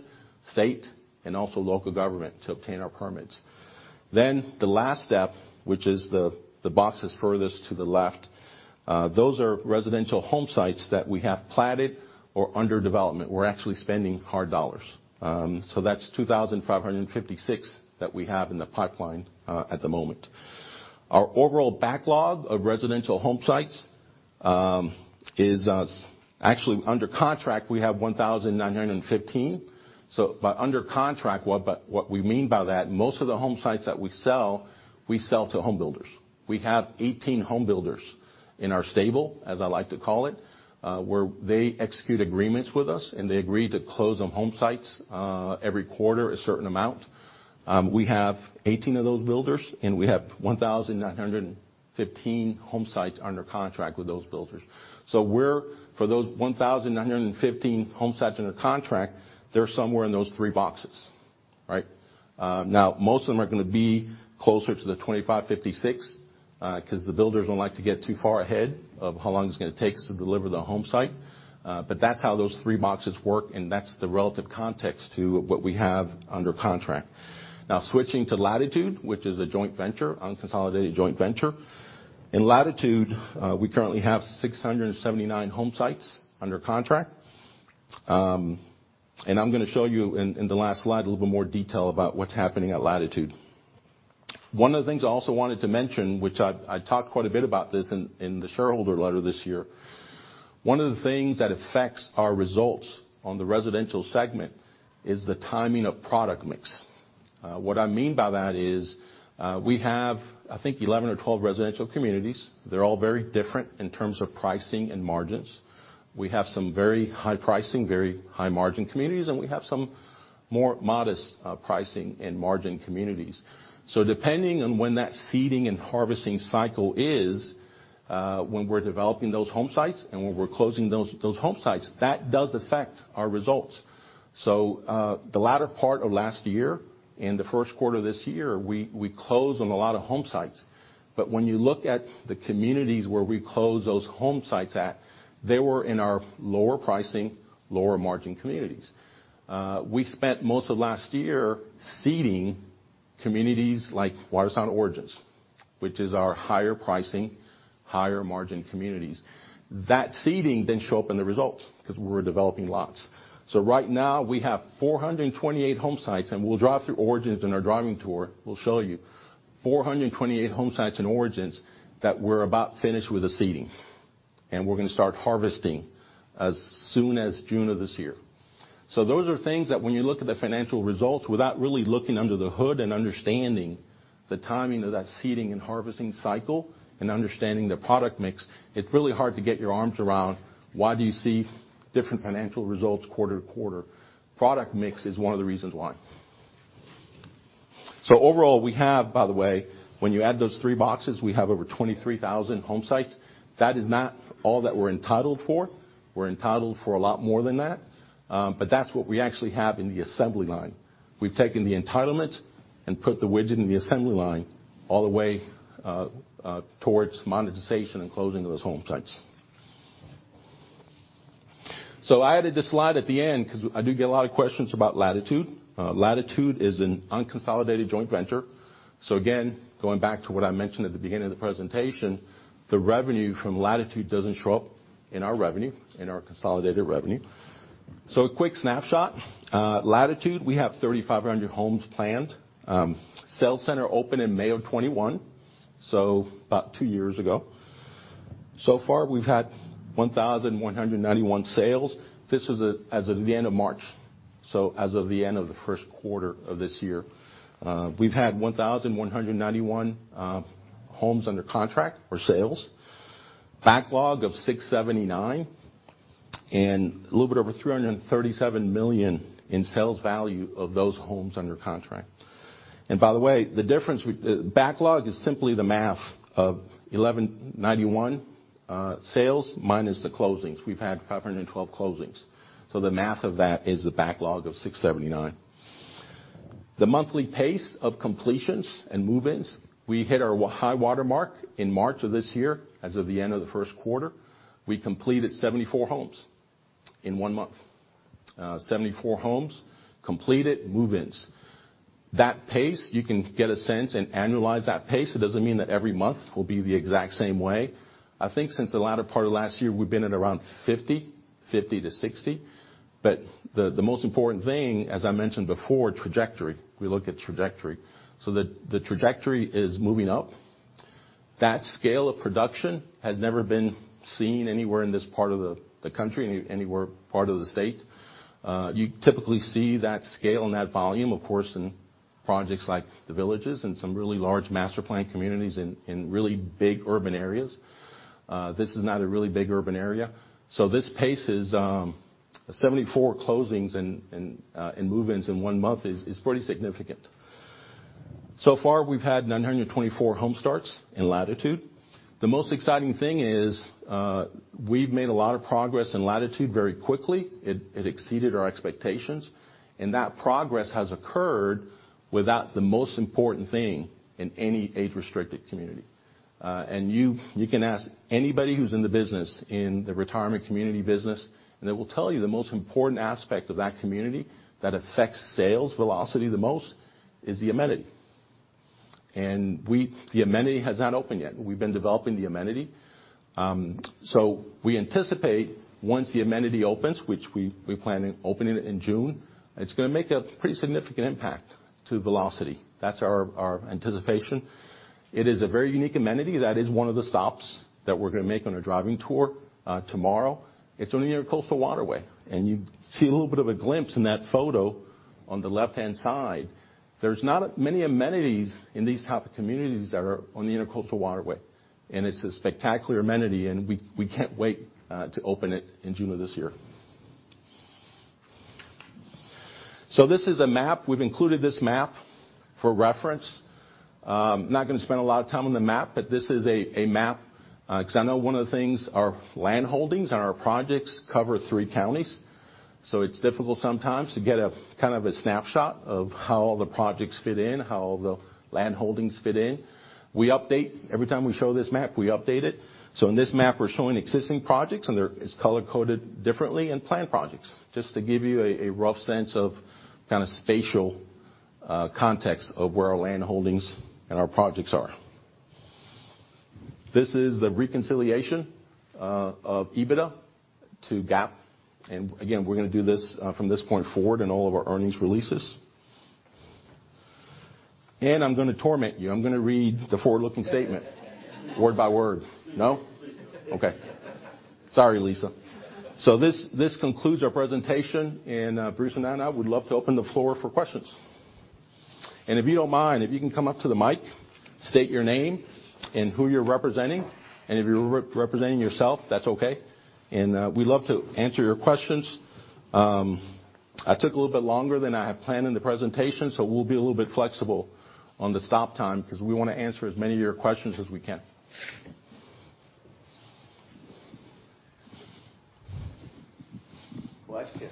state, and also local government to obtain our permits. The last step, which is the boxes furthest to the left, those are residential homesites that we have platted or under development. We're actually spending hard dollars. That's 2,556 that we have in the pipeline at the moment. Our overall backlog of residential homesites is actually under contract, we have 1,915. By under contract, what we mean by that, most of the homesites that we sell, we sell to home builders. We have 18 home builders in our stable, as I like to call it, where they execute agreements with us, and they agree to close on homesites every quarter, a certain amount. We have 18 of those builders, and we have 1,915 homesites under contract with those builders. For those 1,915 homesites under contract, they're somewhere in those three boxes, right? Most of them are gonna be closer to the 25-56, 'cause the builders don't like to get too far ahead of how long it's gonna take us to deliver the homesite. That's how those three boxes work, and that's the relative context to what we have under contract. Switching to Latitude, which is a joint venture, unconsolidated joint venture. In Latitude, we currently have 679 homesites under contract. I'm gonna show you in the last slide a little bit more detail about what's happening at Latitude. One of the things I also wanted to mention, which I talked quite a bit about this in the shareholder letter this year, one of the things that affects our results on the residential segment is the timing of product mix. What I mean by that is, we have, I think, 11 or 12 residential communities. They're all very different in terms of pricing and margins. We have some very high pricing, very high margin communities, and we have some more modest pricing and margin communities. Depending on when that seeding and harvesting cycle is, when we're developing those homesites and when we're closing those homesites, that does affect our results. The latter part of last year and the first quarter of this year, we closed on a lot of homesites. When you look at the communities where we closed those homesites at, they were in our lower pricing, lower margin communities. We spent most of last year seeding communities like Watersound Origins, which is our higher pricing, higher margin communities. That seeding didn't show up in the results because we were developing lots. Right now we have 428 home sites, and we'll drive through Origins in our driving tour. We'll show you 428 home sites in Origins that we're about finished with the seeding, and we're gonna start harvesting as soon as June of this year. Those are things that when you look at the financial results, without really looking under the hood and understanding the timing of that seeding and harvesting cycle and understanding the product mix, it's really hard to get your arms around why do you see different financial results quarter to quarter. Product mix is one of the reasons why. Overall, we have... By the way, when you add those three boxes, we have over 23,000 home sites. That is not all that we're entitled for. We're entitled for a lot more than that, but that's what we actually have in the assembly line. We've taken the entitlement and put the widget in the assembly line all the way towards monetization and closing of those home sites. I added this slide at the end because I do get a lot of questions about Latitude. Latitude is an unconsolidated joint venture. Again, going back to what I mentioned at the beginning of the presentation, the revenue from Latitude doesn't show up in our revenue, in our consolidated revenue. A quick snapshot. Latitude, we have 3,500 homes planned. Sales center opened in May of 2021, about two years ago. Far, we've had 1,191 sales. This is as of the end of March, so as of the end of the first quarter of this year. We've had 1,191 homes under contract for sales, backlog of 679, and a little bit over $337 million in sales value of those homes under contract. By the way, the difference, backlog is simply the math of 1,191 sales minus the closings. We've had 512 closings. The math of that is the backlog of 679. The monthly pace of completions and move-ins, we hit our high-water mark in March of this year. As of the end of the first quarter, we completed 74 homes in one month. 74 homes completed, move-ins. That pace, you can get a sense and annualize that pace. It doesn't mean that every month will be the exact same way. I think since the latter part of last year, we've been at around 50-60. The most important thing, as I mentioned before, trajectory. We look at trajectory. The trajectory is moving up. That scale of production has never been seen anywhere in this part of the country, anywhere part of the state. You typically see that scale and that volume, of course, in projects like The Villages and some really large master planned communities in really big urban areas. This is not a really big urban area. This pace is 74 closings and move-ins in one month is pretty significant. So far we've had 924 home starts in Latitude. The most exciting thing is, we've made a lot of progress in Latitude very quickly. It exceeded our expectations, and that progress has occurred without the most important thing in any age-restricted community. You can ask anybody who's in the business, in the retirement community business, and they will tell you the most important aspect of that community that affects sales velocity the most is the amenity. The amenity has not opened yet. We've been developing the amenity. We anticipate once the amenity opens, which we plan opening it in June, it's gonna make a pretty significant impact to velocity. That's our anticipation. It is a very unique amenity. That is one of the stops that we're gonna make on our driving tour tomorrow. It's on the Intercoastal Waterway, and you see a little bit of a glimpse in that photo on the left-hand side. There's not many amenities in these type of communities that are on the Intercoastal Waterway, and it's a spectacular amenity, and we can't wait to open it in June of this year. This is a map. We've included this map for reference. Not gonna spend a lot of time on the map, but this is a map 'cause I know one of the things, our land holdings and our projects cover three counties. It's difficult sometimes to get a kind of a snapshot of how all the projects fit in, how all the land holdings fit in. We update. Every time we show this map, we update it. In this map, we're showing existing projects, and it's color-coded differently, and planned projects, just to give you a rough sense of kind of spatial context of where our land holdings and our projects are. This is the reconciliation of EBITDA to GAAP. Again, we're gonna do this from this point forward in all of our earnings releases. I'm gonna torment you. I'm gonna read the forward-looking statement word by word. No? Please do. Okay. Sorry, Lisa. This concludes our presentation. Bruce and I now would love to open the floor for questions. If you don't mind, if you can come up to the mic, state your name and who you're representing. If you're representing yourself, that's okay. We'd love to answer your questions. I took a little bit longer than I had planned in the presentation, so we'll be a little bit flexible on the stop time because we wanna answer as many of your questions as we can. Watch this.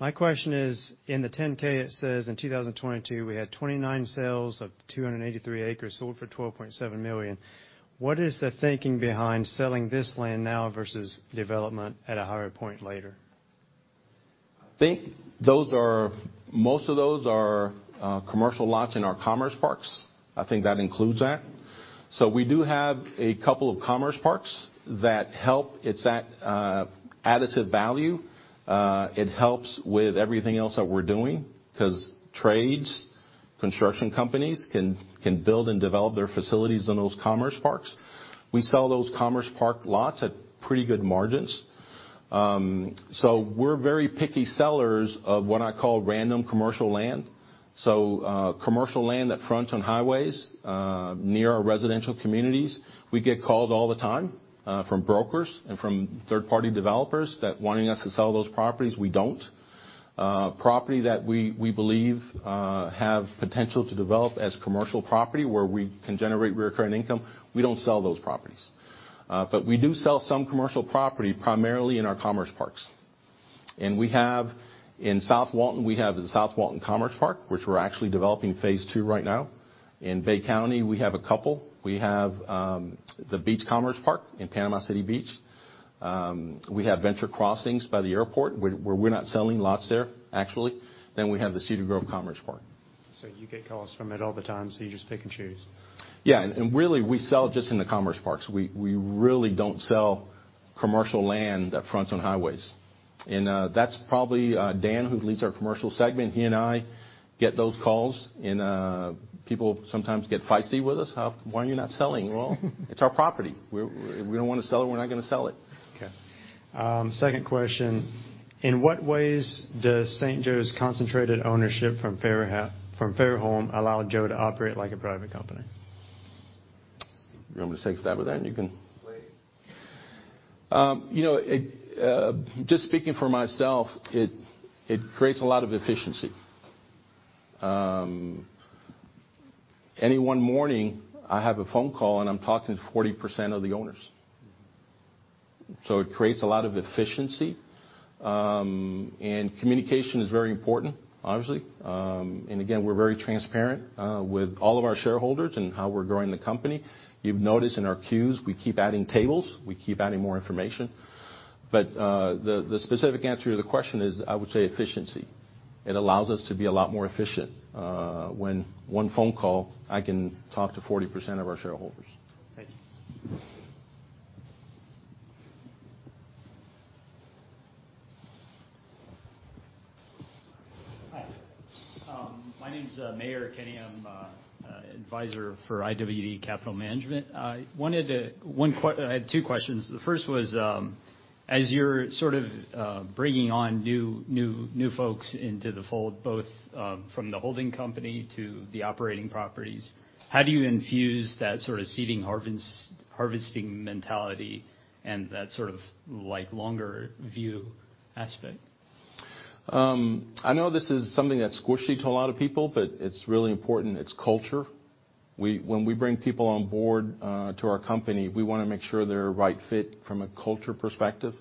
My question is, in the 10-K it says in 2022, we had 29 sales of 283 acres sold for $12.7 million. What is the thinking behind selling this land now versus development at a higher point later? I think most of those are commercial lots in our commerce parks. I think that includes that. We do have a couple of commerce parks that help. It's that additive value. It helps with everything else that we're doing because trades, construction companies can build and develop their facilities in those commerce parks. We sell those commerce park lots at pretty good margins. We're very picky sellers of what I call random commercial land. Commercial land that fronts on highways near our residential communities. We get calls all the time from brokers and from third-party developers that wanting us to sell those properties. We don't. Property that we believe have potential to develop as commercial property where we can generate reoccurring income, we don't sell those properties. We do sell some commercial property, primarily in our commerce parks. In South Walton, we have the South Walton Commerce Park, which we're actually developing phase two right now. In Bay County, we have a couple. We have the Beach Commerce Park in Panama City Beach. We have Venture Crossings by the airport where we're not selling lots there, actually. We have the Cedar Grove Commerce Park. You get calls from it all the time, so you just pick and choose. Yeah. Really, we sell just in the commerce parks. We really don't sell commercial land that fronts on highways. That's probably Dan, who leads our commercial segment. He and I get those calls, and people sometimes get feisty with us. Why are you not selling? Well, it's our property. We don't wanna sell it, we're not gonna sell it. Second question. In what ways does St. Joe's concentrated ownership from Fairholme allow St. Joe to operate like a private company? You want me to take a stab at that? Please. You know, it, just speaking for myself, it creates a lot of efficiency. Any one morning, I have a phone call, and I'm talking to 40% of the owners. It creates a lot of efficiency. Communication is very important, obviously. Again, we're very transparent with all of our shareholders and how we're growing the company. You've noticed in our Qs, we keep adding tables, we keep adding more information. The specific answer to the question is, I would say efficiency. It allows us to be a lot more efficient when one phone call, I can talk to 40% of our shareholders. Thank you. Hi. My name's Mayur Kenia. I'm advisor for IWD Capital Management. I had two questions. The first was, as you're sort of bringing on new folks into the fold, both from the holding company to the operating properties, how do you infuse that sort of seeding, harvesting mentality and that sort of like, longer view aspect? I know this is something that's squishy to a lot of people, but it's really important. It's culture. When we bring people on board to our company, we wanna make sure they're a right fit from a culture perspective,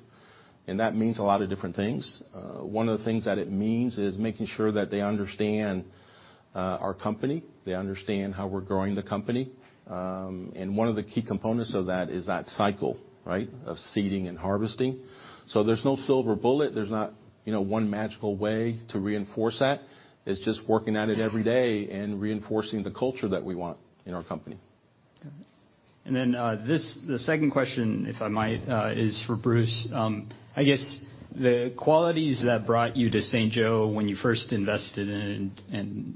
and that means a lot of different things. One of the things that it means is making sure that they understand our company, they understand how we're growing the company. One of the key components of that is that cycle, right, of seeding and harvesting. There's no silver bullet. There's not, you know, one magical way to reinforce that. It's just working at it every day and reinforcing the culture that we want in our company. Okay. Then the second question, if I might, is for Bruce. I guess the qualities that brought you to St. Joe when you first invested in it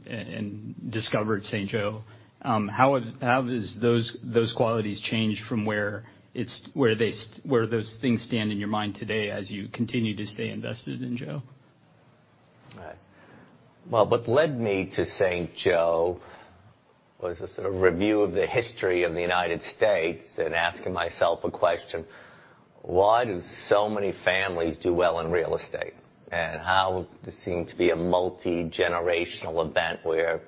and discovered St. Joe, how have those qualities changed from where those things stand in your mind today as you continue to stay invested in Joe? All right. Well, what led me to St. Joe was a sort of review of the history of the United States and asking myself a question, "Why do so many families do well in real estate, and how this seemed to be a multi-generational event where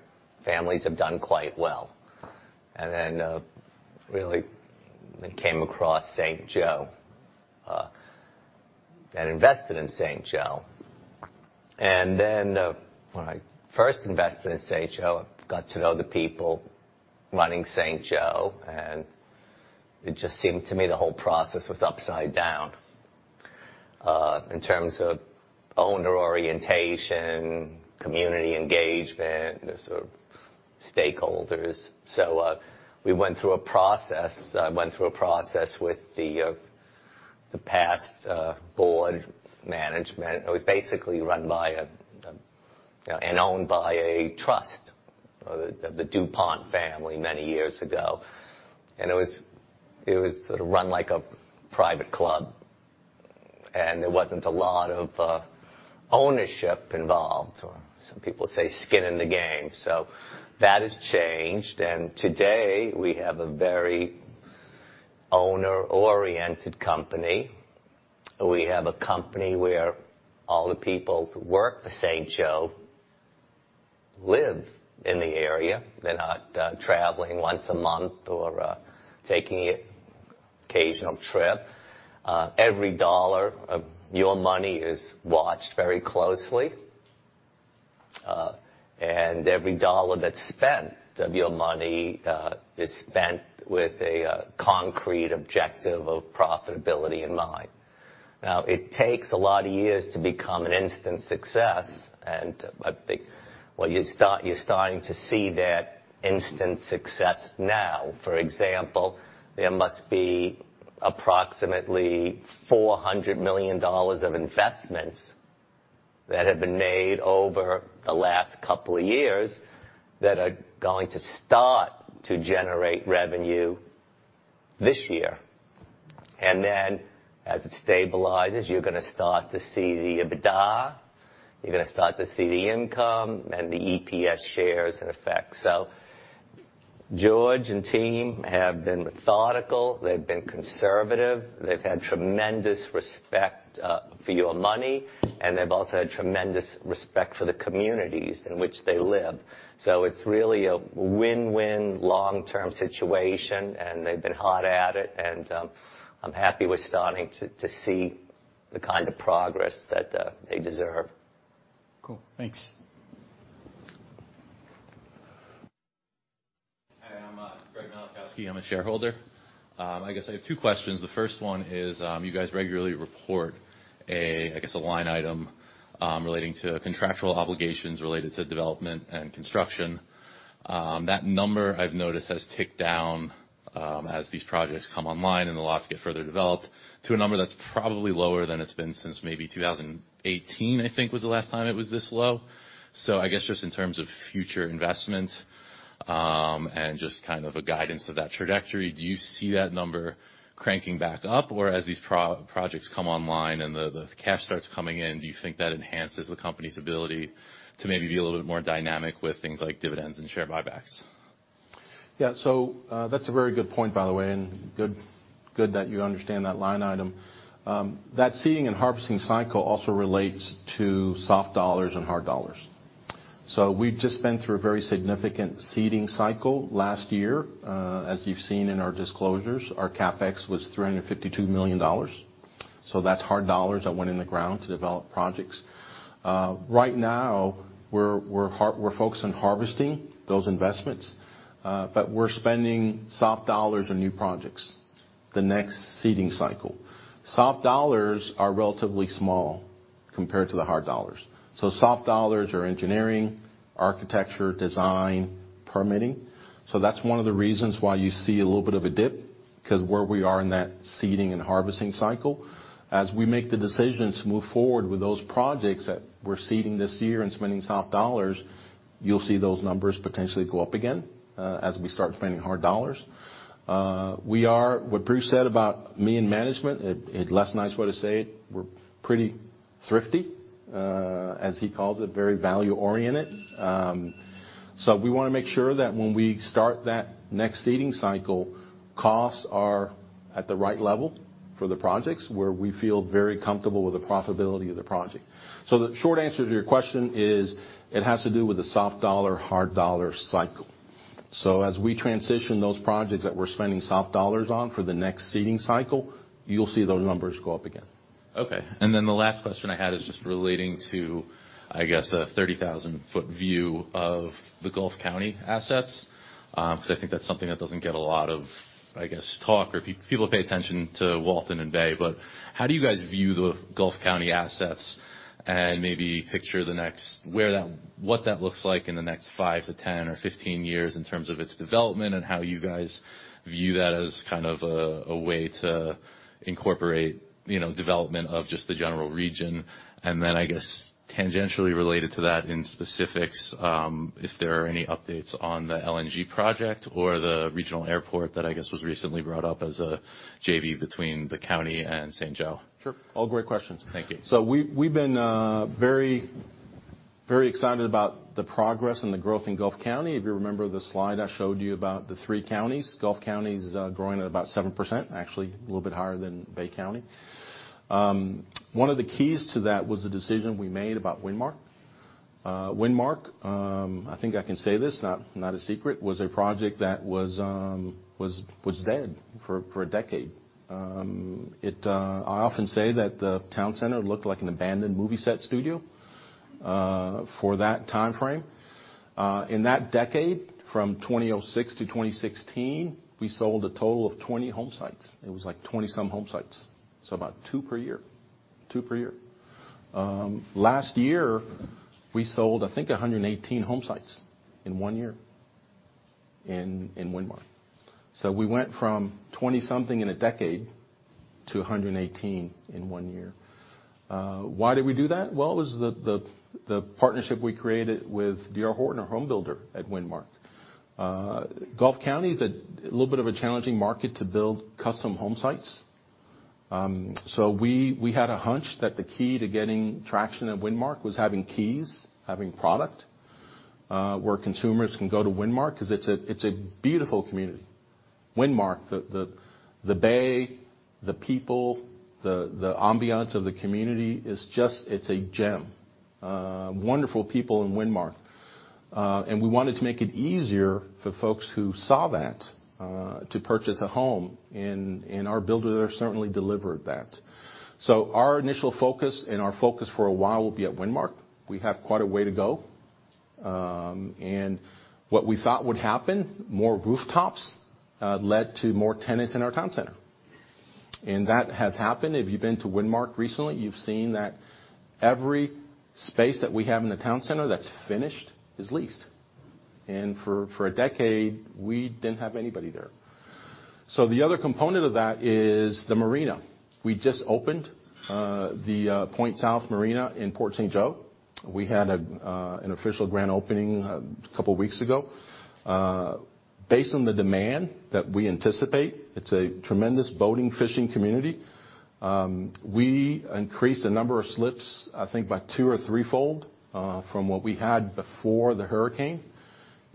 families have done quite well?" Really came across St. Joe and invested in St. Joe. When I first invested in St. Joe, I got to know the people running St. Joe, and it just seemed to me the whole process was upside down in terms of owner orientation, community engagement, sort of stakeholders. We went through a process with the past board management. It was basically run by and owned by a trust of the duPont family many years ago. It was sort of run like a private club, and there wasn't a lot of ownership involved, or some people say skin in the game. That has changed. Today, we have a very owner-oriented company. We have a company where all the people who work for St. Joe. Live in the area. They're not traveling once a month or taking an occasional trip. Every dollar of your money is watched very closely. And every dollar that's spent of your money is spent with a concrete objective of profitability in mind. It takes a lot of years to become an instant success, and I think. Well, you're starting to see that instant success now. For example, there must be approximately $400 million of investments that have been made over the last couple of years that are going to start to generate revenue this year. Then as it stabilizes, you're gonna start to see the EBITDA, you're gonna start to see the income and the EPS shares in effect. Jorge and team have been methodical, they've been conservative, they've had tremendous respect for your money, and they've also had tremendous respect for the communities in which they live. It's really a win-win long-term situation, and they've been hard at it, and I'm happy we're starting to see the kind of progress that they deserve. Cool. Thanks. Hi, I'm Greg Malachowski. I'm a shareholder. I guess I have two questions. The first one is, you guys regularly report a, I guess, a line item, relating to contractual obligations related to development and construction. That number, I've noticed, has ticked down, as these projects come online and the lots get further developed, to a number that's probably lower than it's been since maybe 2018, I think, was the last time it was this low. I guess just in terms of future investment, and just kind of a guidance of that trajectory, do you see that number cranking back up? Or as these projects come online and the cash starts coming in, do you think that enhances the company's ability to maybe be a little bit more dynamic with things like dividends and share buybacks? That's a very good point, by the way, and good that you understand that line item. That seeding and harvesting cycle also relates to soft dollars and hard dollars. We've just been through a very significant seeding cycle last year. As you've seen in our disclosures, our CapEx was $352 million. That's hard dollars that went in the ground to develop projects. Right now, we're focused on harvesting those investments, but we're spending soft dollars on new projects, the next seeding cycle. Soft dollars are relatively small compared to the hard dollars. Soft dollars are engineering, architecture, design, permitting. That's one of the reasons why you see a little bit of a dip, 'cause we are in that seeding and harvesting cycle. As we make the decision to move forward with those projects that we're seeding this year and spending soft dollars, you'll see those numbers potentially go up again as we start spending hard dollars. We are What Bruce said about me and management, a less nice way to say it, we're pretty thrifty, as he calls it, very value-oriented. We wanna make sure that when we start that next seeding cycle, costs are at the right level for the projects where we feel very comfortable with the profitability of the project. The short answer to your question is, it has to do with the soft dollar, hard dollar cycle. As we transition those projects that we're spending soft dollars on for the next seeding cycle, you'll see those numbers go up again. The last question I had is just relating to, I guess, a 30,000-foot view of the Gulf County assets. 'Cause I think that's something that doesn't get a lot of, I guess, talk or people pay attention to Walton and Bay. How do you guys view the Gulf County assets and maybe picture the next what that looks like in the next five-10 or 15 years in terms of its development and how you guys view that as kind of a way to incorporate, you know, development of just the general region? Then, I guess, tangentially related to that in specifics, if there are any updates on the LNG project or the regional airport that I guess was recently brought up as a JV between the county and St. Joe. Sure. All great questions. Thank you. We've been very, very excited about the progress and the growth in Gulf County. If you remember the slide I showed you about the three counties, Gulf County's growing at about 7%, actually a little bit higher than Bay County. One of the keys to that was the decision we made about Windmark. Windmark, I think I can say this, not a secret, was a project that was dead for a decade. It, I often say that the town center looked like an abandoned movie set studio for that timeframe. In that decade, from 2006 to 2016, we sold a total of 20 home sites. It was like 20-some home sites. About two per year. two per year. Last year, we sold, I think, 118 home sites in one year in Windmark. We went from 20-something in a decade to 118 in one year. Why did we do that? It was the partnership we created with D.R. Horton, our home builder at Windmark. Gulf County is a little bit of a challenging market to build custom home sites. We had a hunch that the key to getting traction at Windmark was having keys, having product, where consumers can go to Windmark, 'cause it's a beautiful community. Windmark, the bay, the people, the ambiance of the community is just. It's a gem. Wonderful people in Windmark. And we wanted to make it easier for folks who saw that to purchase a home, and our builder there certainly delivered that. Our initial focus, and our focus for a while, will be at Windmark. We have quite a way to go. And what we thought would happen, more rooftops, led to more tenants in our town center. That has happened. If you've been to Windmark recently, you've seen that every space that we have in the town center that's finished is leased. For a decade, we didn't have anybody there. The other component of that is the marina. We just opened the Point South Marina in Port St. Joe. We had an official grand opening a couple weeks ago. Based on the demand that we anticipate, it's a tremendous boating, fishing community, we increased the number of slips, I think, by two or threefold, from what we had before the hurricane.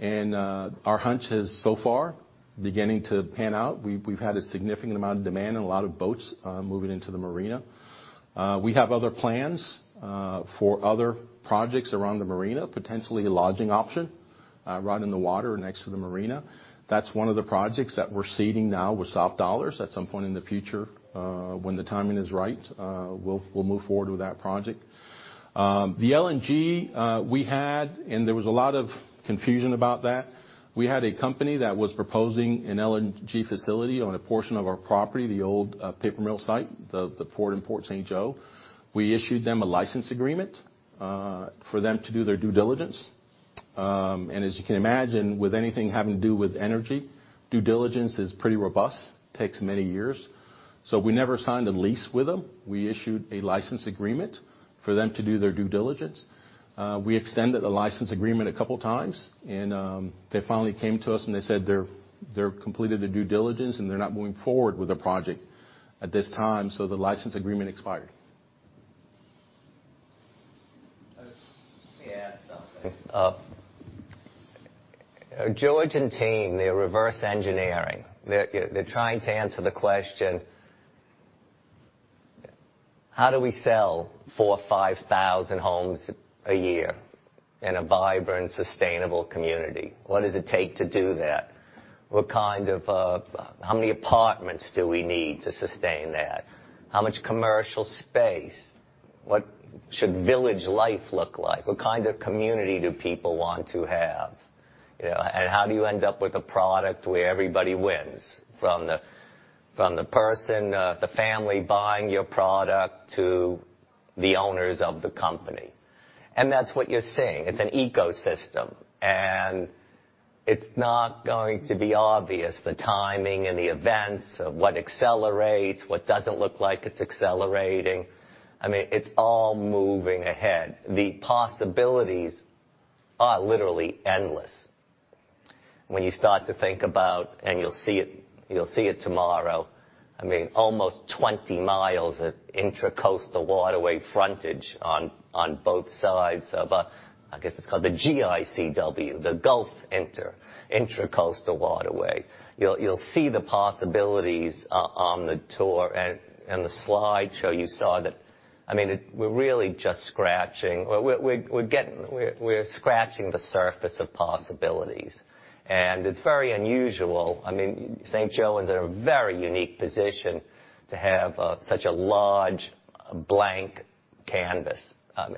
Our hunch is so far beginning to pan out. We've had a significant amount of demand and a lot of boats moving into the marina. We have other plans for other projects around the marina, potentially a lodging option right in the water next to the marina. That's one of the projects that we're seeding now with soft dollars. At some point in the future, when the timing is right, we'll move forward with that project. The LNG, there was a lot of confusion about that. We had a company that was proposing an LNG facility on a portion of our property, the old paper mill site, the port in Port St. Joe. We issued them a license agreement for them to do their due diligence. As you can imagine, with anything having to do with energy, due diligence is pretty robust. Takes many years. We never signed a lease with them. We issued a license agreement for them to do their due diligence. We extended the license agreement a couple times, and they finally came to us and they said they're completed the due diligence, and they're not moving forward with the project at this time, so the license agreement expired. Let me add something. Jorge and team, they're reverse engineering. They're trying to answer the question: how do we sell 4,000 or 5,000 homes a year in a vibrant, sustainable community? What does it take to do that? What kind of how many apartments do we need to sustain that? How much commercial space? What should village life look like? What kind of community do people want to have, you know? How do you end up with a product where everybody wins, from the person, the family buying your product to the owners of the company? That's what you're seeing. It's an ecosystem, and it's not going to be obvious, the timing and the events of what accelerates, what doesn't look like it's accelerating. I mean, it's all moving ahead. The possibilities are literally endless. When you start to think about, you'll see it, you'll see it tomorrow. I mean, almost 20 miles of Intracoastal Waterway frontage on both sides of, I guess it's called the GICW, the Gulf Intracoastal Waterway. You'll see the possibilities on the tour. The slideshow, you saw that. I mean, we're really just scratching. We're scratching the surface of possibilities. It's very unusual. I mean, St. Joe is in a very unique position to have such a large blank canvas. You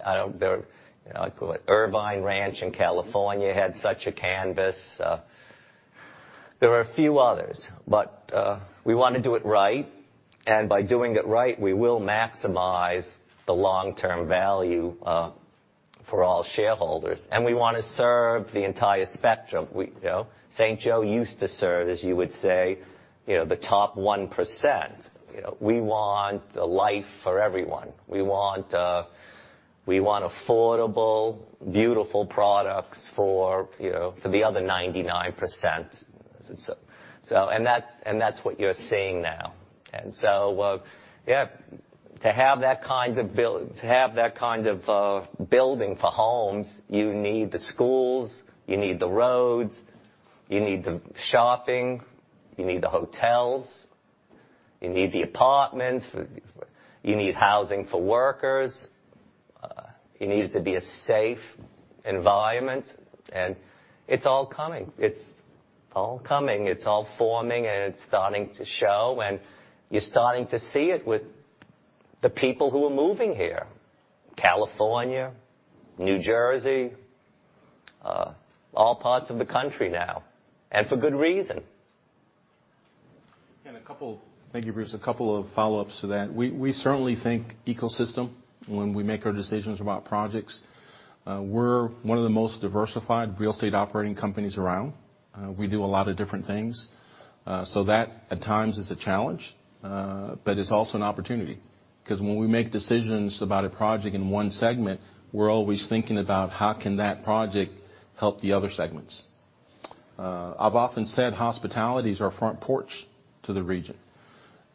know, Irvine Ranch in California had such a canvas. There are a few others, but we wanna do it right. By doing it right, we will maximize the long-term value for all shareholders. We wanna serve the entire spectrum. We, you know, St. Joe used to serve, as you would say, you know, the top 1%, you know. We want a life for everyone. We want, we want affordable, beautiful products for, you know, for the other 99%. And that's what you're seeing now. Yeah, to have that kind of building for homes, you need the schools, you need the roads, you need the shopping, you need the hotels, you need the apartments, you need housing for workers, you need it to be a safe environment. It's all coming. It's all coming. It's all forming, and it's starting to show. You're starting to see it with the people who are moving here. California, New Jersey, all parts of the country now, and for good reason. Thank you, Bruce. A couple of follow-ups to that. We certainly think ecosystem when we make our decisions about projects. We're one of the most diversified real estate operating companies around. We do a lot of different things. That at times is a challenge, but it's also an opportunity, 'cause when we make decisions about a project in one segment, we're always thinking about how can that project help the other segments. I've often said hospitality is our front porch to the region.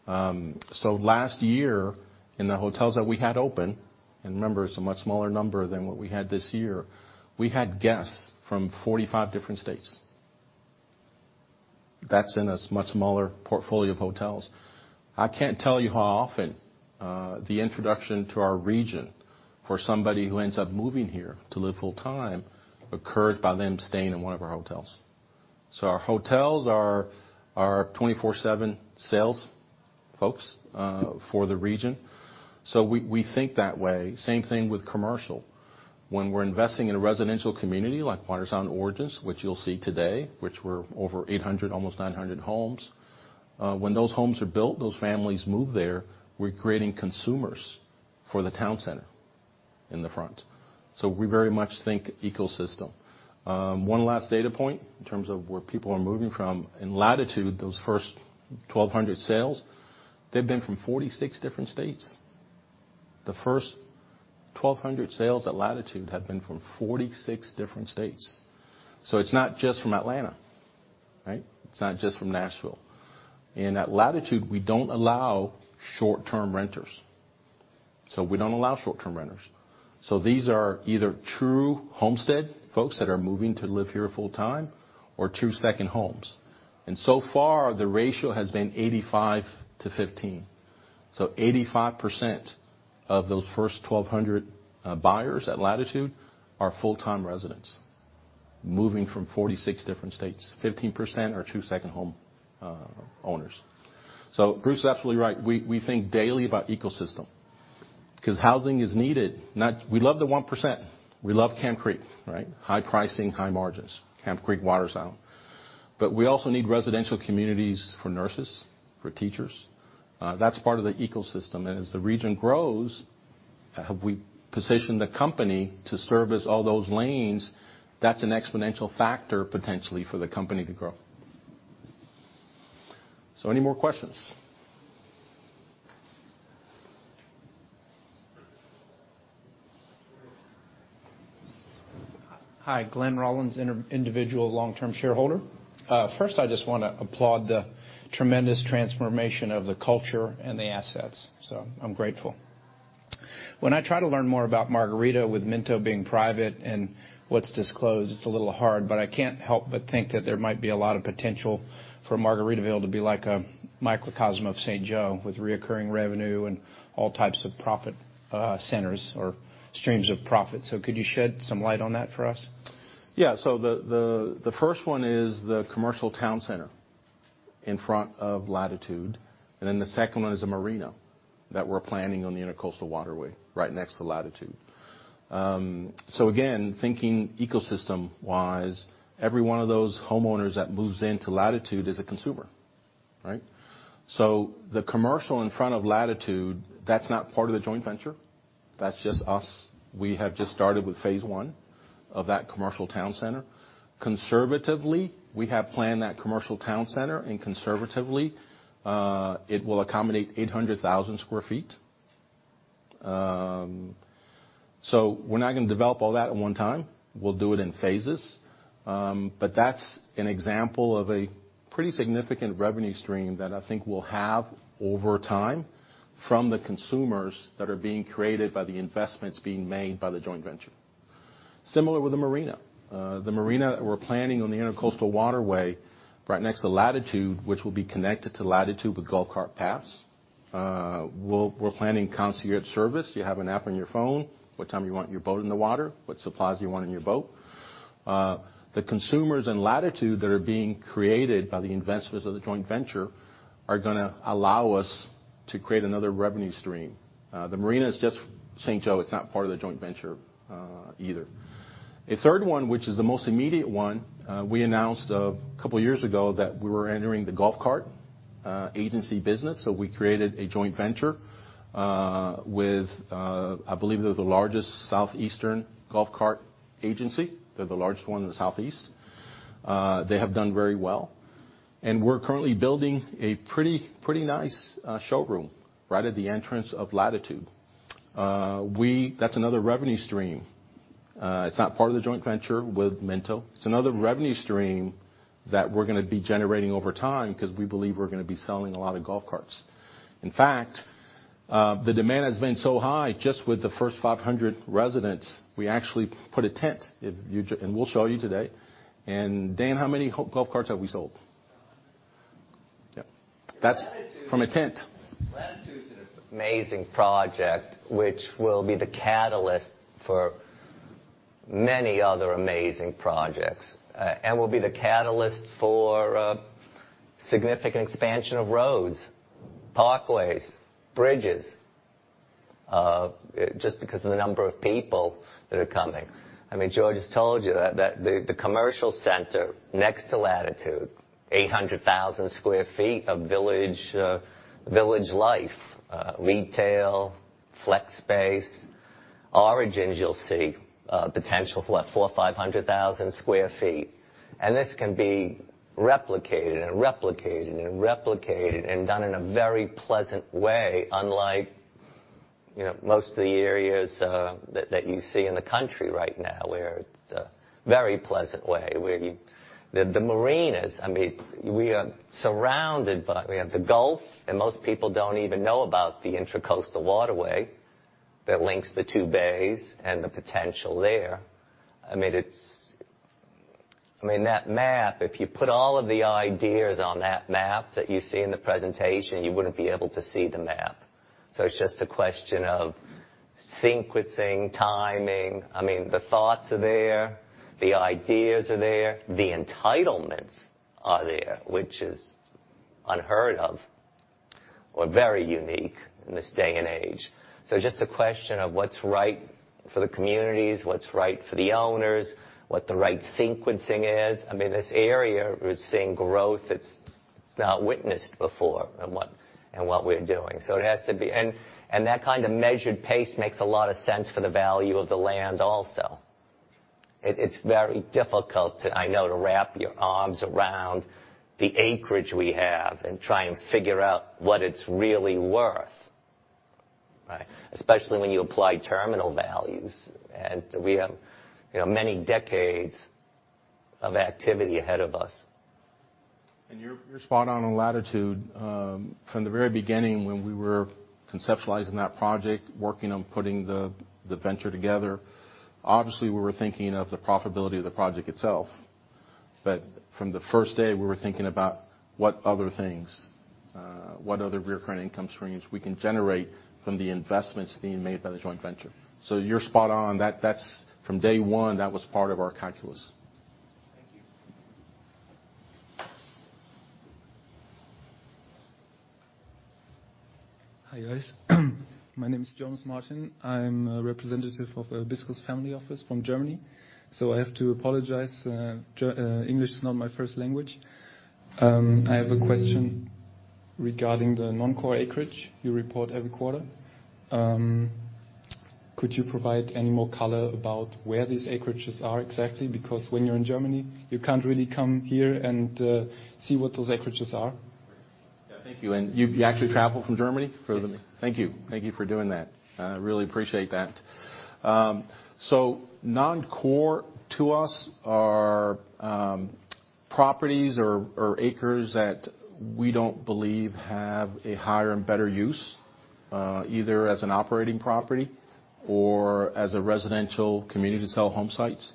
Last year in the hotels that we had open, and remember, it's a much smaller number than what we had this year, we had guests from 45 different states. That's in a much smaller portfolio of hotels. I can't tell you how often, the introduction to our region for somebody who ends up moving here to live full-time occurred by them staying in one of our hotels. Our hotels are 24/7 sales folks for the region. We think that way. Same thing with commercial. When we're investing in a residential community like Watersound Origins, which you'll see today, which we're over 800, almost 900 homes. When those homes are built, those families move there, we're creating consumers for the town center in the front. We very much think ecosystem. One last data point in terms of where people are moving from. In Latitude, those first 1,200 sales, they've been from 46 different states. The first 1,200 sales at Latitude have been from 46 different states. It's not just from Atlanta, right? It's not just from Nashville. At Latitude, we don't allow short-term renters. We don't allow short-term renters. These are either true homestead folks that are moving to live here full time or true second homes. So far, the ratio has been 85-15. 85% of those first 1,200 buyers at Latitude are full-time residents moving from 46 different states. 15% are true second home owners. Bruce is absolutely right. We think daily about ecosystem 'cause housing is needed. Not. We love the 1%. We love Camp Creek, right. High pricing, high margins. Camp Creek Watersound. We also need residential communities for nurses, for teachers. That's part of the ecosystem. As the region grows, have we positioned the company to service all those lanes? That's an exponential factor potentially for the company to grow. Any more questions? Hi, Glenn Rollins, inter-individual long-term shareholder. First, I just wanna applaud the tremendous transformation of the culture and the assets, so I'm grateful. When I try to learn more about Margaritaville with Minto being private and what's disclosed, it's a little hard, but I can't help but think that there might be a lot of potential for Margaritaville to be like a microcosm of St. Joe with reoccurring revenue and all types of profit, centers or streams of profit. Could you shed some light on that for us? Yeah. The first one is the commercial town center in front of Latitude, and then the second one is a marina that we're planning on the Intercoastal Waterway right next to Latitude. Again, thinking ecosystem-wise, every one of those homeowners that moves into Latitude is a consumer, right? The commercial in front of Latitude, that's not part of the joint venture, that's just us. We have just started with phase I of that commercial town center. Conservatively, we have planned that commercial town center, and conservatively, it will accommodate 800,000 sq ft. We're not gonna develop all that at one time. We'll do it in phases. That's an example of a pretty significant revenue stream that I think we'll have over time from the consumers that are being created by the investments being made by the joint venture. Similar with the marina. The marina that we're planning on the Intracoastal Waterway right next to Latitude, which will be connected to Latitude with golf cart paths. We're planning concierge service. You have an app on your phone, what time you want your boat in the water, what supplies you want in your boat. The consumers in Latitude that are being created by the investments of the joint venture are gonna allow us to create another revenue stream. The marina is just St. Joe, it's not part of the joint venture either. A third one, which is the most immediate one, we announced two years ago that we were entering the golf cart agency business. So we created a joint venture with, I believe they're the largest Southeastern golf cart agency. They're the largest one in the Southeast. They have done very well. We're currently building a pretty nice showroom right at the entrance of Latitude. That's another revenue stream. It's not part of the joint venture with Minto. It's another revenue stream that we're gonna be generating over time 'cause we believe we're gonna be selling a lot of golf carts. In fact, the demand has been so high just with the first 500 residents, we actually put a tent. We'll show you today. Dan, how many golf carts have we sold? Yeah. That's from a tent. Latitude is an amazing project which will be the catalyst for many other amazing projects, and will be the catalyst for significant expansion of roads, parkways, bridges, just because of the number of people that are coming. I mean, Jorge has told you that the commercial center next to Latitude, 800,000 sq ft of village life, retail, flex space. Origins, you'll see potential for, like, 400,000 or 500,000 sq ft. This can be replicated, and replicated, and replicated, and done in a very pleasant way, unlike, you know, most of the areas that you see in the country right now where it's a very pleasant way, where you the marinas. I mean, we are surrounded by. We have the Gulf, and most people don't even know about the Intracoastal Waterway that links the two bays and the potential there. I mean, it's... I mean, that map, if you put all of the ideas on that map that you see in the presentation, you wouldn't be able to see the map. It's just a question of sequencing, timing. I mean, the thoughts are there, the ideas are there, the entitlements are there, which is unheard of or very unique in this day and age. Just a question of what's right for the communities, what's right for the owners, what the right sequencing is. I mean, this area, we're seeing growth that's, it's not witnessed before in what, in what we're doing. That kind of measured pace makes a lot of sense for the value of the land also. It's very difficult to, I know, to wrap your arms around the acreage we have and try and figure out what it's really worth, right? Especially when you apply terminal values. We have, you know, many decades of activity ahead of us. You're spot on on Latitude. From the very beginning when we were conceptualizing that project, working on putting the venture together, obviously we were thinking of the profitability of the project itself. From the first day, we were thinking about what other things, what other recurring income streams we can generate from the investments being made by the joint venture. You're spot on. From day one, that was part of our calculus. Thank you. Hi, guys. My name is Jonas Martin. I'm a representative of Biskuit Family Office from Germany. I have to apologize, English is not my first language. I have a question regarding the non-core acreage you report every quarter. Could you provide any more color about where these acreages are exactly? Because when you're in Germany, you can't really come here and see what those acreages are. Yeah, thank you. You actually traveled from Germany for? Yes. Thank you. Thank you for doing that. I really appreciate that. Non-core to us are properties or acres that we don't believe have a higher and better use, either as an operating property or as a residential community to sell home sites.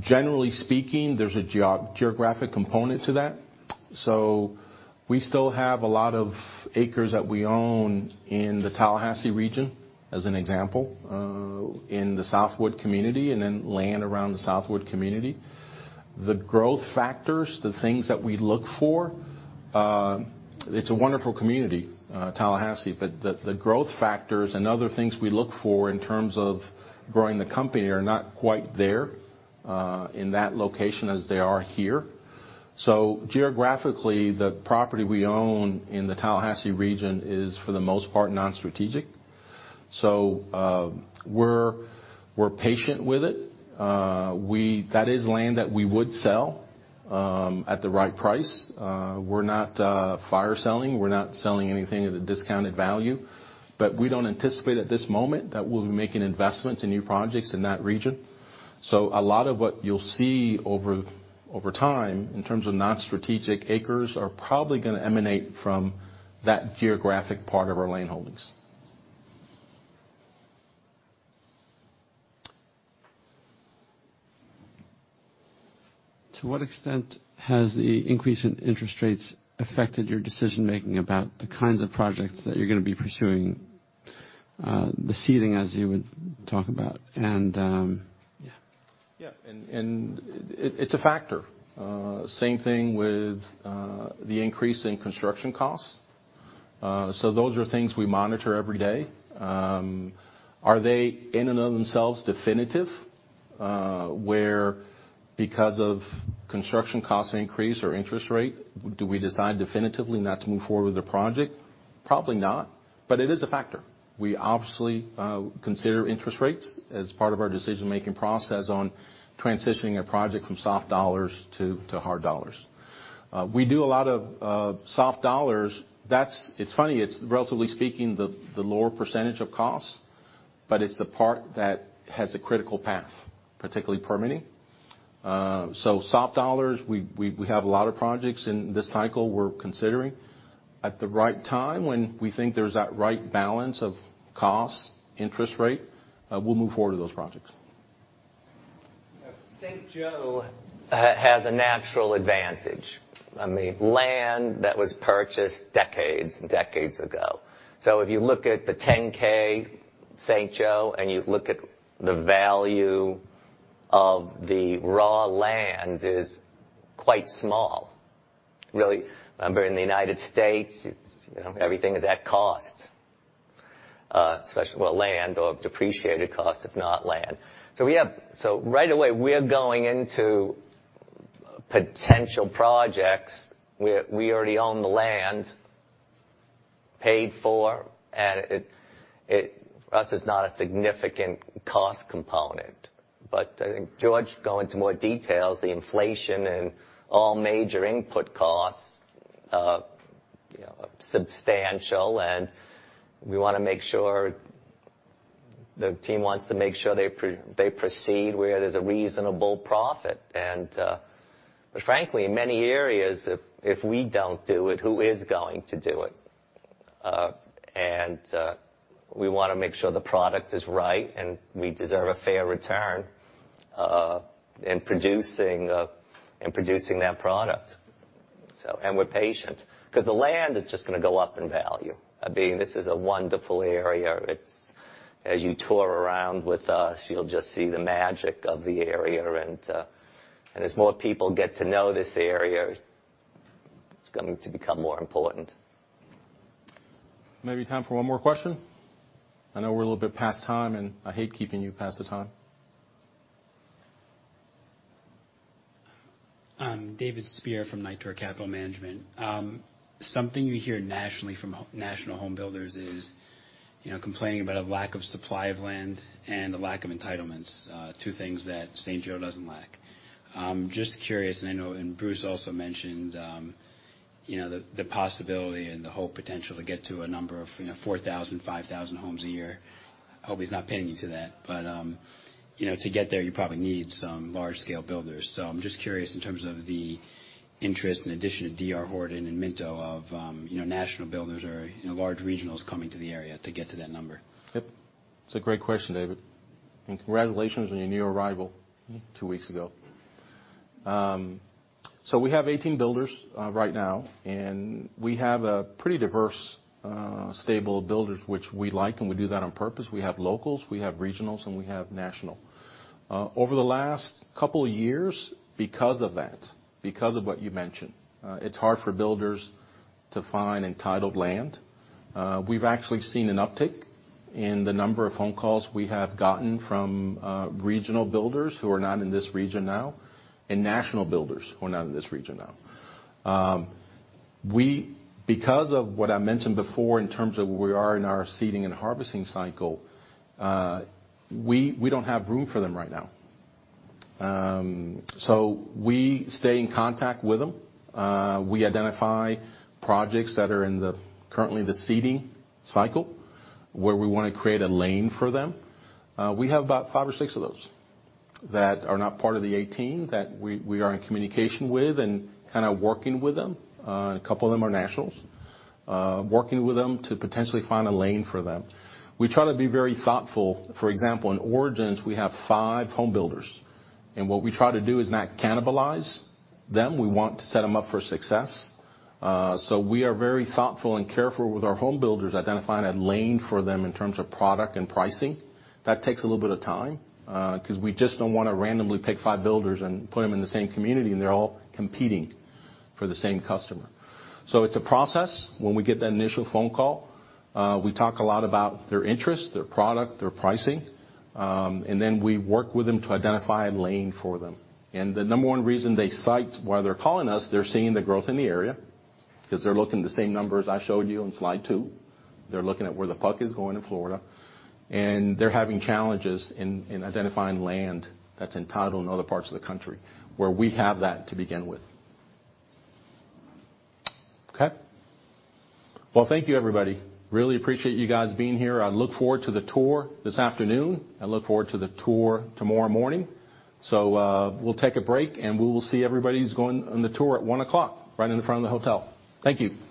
Generally speaking, there's a geographic component to that. We still have a lot of acres that we own in the Tallahassee region, as an example, in the Southwood community, and then land around the Southwood community. The growth factors, the things that we look for, it's a wonderful community, Tallahassee, the growth factors and other things we look for in terms of growing the company are not quite there in that location as they are here. Geographically, the property we own in the Tallahassee region is, for the most part, non-strategic. We're patient with it. That is land that we would sell at the right price. We're not fire selling. We're not selling anything at a discounted value. We don't anticipate at this moment that we'll be making investments in new projects in that region. A lot of what you'll see over time in terms of non-strategic acres are probably gonna emanate from that geographic part of our land holdings. To what extent has the increase in interest rates affected your decision-making about the kinds of projects that you're gonna be pursuing, the seeding, as you would talk about and, yeah? Yeah. It's a factor. Same thing with the increase in construction costs. Those are things we monitor every day. Are they in and of themselves definitive, where because of construction costs increase or interest rate, do we decide definitively not to move forward with the project? Probably not. It is a factor. We obviously consider interest rates as part of our decision-making process on transitioning a project from soft dollars to hard dollars. We do a lot of soft dollars. It's funny, it's relatively speaking the lower percentage of costs, but it's the part that has a critical path, particularly permitting. Soft dollars, we have a lot of projects in this cycle we're considering. At the right time, when we think there's that right balance of costs, interest rate, we'll move forward with those projects. St. Joe has a natural advantage. I mean, land that was purchased decades and decades ago. If you look at the 10-K St. Joe and you look at the value of the raw land is quite small, really. Remember, in the United States, it's, you know, everything is at cost, especially with land or depreciated cost, if not land. Right away, we're going into potential projects where we already own the land, paid for, and it... For us, it's not a significant cost component. I think Jorge will go into more details, the inflation and all major input costs, you know, substantial, and the team wants to make sure they proceed where there's a reasonable profit. Frankly, in many areas if we don't do it, who is going to do it? We wanna make sure the product is right, and we deserve a fair return, in producing that product. So. We're patient, 'cause the land is just gonna go up in value. I mean, this is a wonderful area. It's. As you tour around with us, you'll just see the magic of the area, and as more people get to know this area, it's going to become more important. Maybe time for one more question. I know we're a little bit past time. I hate keeping you past the time. David Spier from Nitor Capital Management. Something we hear nationally from national home builders is, you know, complaining about a lack of supply of land and a lack of entitlements, two things that St. Joe doesn't lack. Just curious. Bruce also mentioned, you know, the possibility and the whole potential to get to a number of, you know, 4,000, 5,000 homes a year. I hope he's not pinning you to that, but, you know, to get there, you probably need some large-scale builders. I'm just curious in terms of the interest and addition of D.R. Horton and Minto of, you know, national builders or, you know, large regionals coming to the area to get to that number. Yep. It's a great question, David. Congratulations on your new arrival two weeks ago. We have 18 builders right now, we have a pretty diverse stable of builders which we like, we do that on purpose. We have locals, we have regionals, we have national. Over the last couple of years, because of that, because of what you mentioned, it's hard for builders to find entitled land. We've actually seen an uptick in the number of phone calls we have gotten from regional builders who are not in this region now and national builders who are not in this region now. Because of what I mentioned before in terms of where we are in our seeding and harvesting cycle, we don't have room for them right now. We stay in contact with them. We identify projects that are currently the seeding cycle, where we wanna create a lane for them. We have about five or six of those that are not part of the 18 that we are in communication with and kinda working with them, a couple of them are nationals, working with them to potentially find a lane for them. We try to be very thoughtful. For example, in Origins, we have five home builders, and what we try to do is not cannibalize them. We want to set them up for success. We are very thoughtful and careful with our home builders, identifying a lane for them in terms of product and pricing. That takes a little bit of time, 'cause we just don't wanna randomly pick five builders and put them in the same community, and they're all competing for the same customer. It's a process when we get that initial phone call. We talk a lot about their interest, their product, their pricing, and then we work with them to identify a lane for them. The number one reason they cite why they're calling us, they're seeing the growth in the area, 'cause they're looking at the same numbers I showed you on slide two. They're looking at where the puck is going in Florida, and they're having challenges in identifying land that's entitled in other parts of the country, where we have that to begin with. Okay. Thank you everybody. Really appreciate you guys being here. I look forward to the tour this afternoon. I look forward to the tour tomorrow morning. We'll take a break, and we will see everybody who's going on the tour at 1:00, right in front of the hotel. Thank you.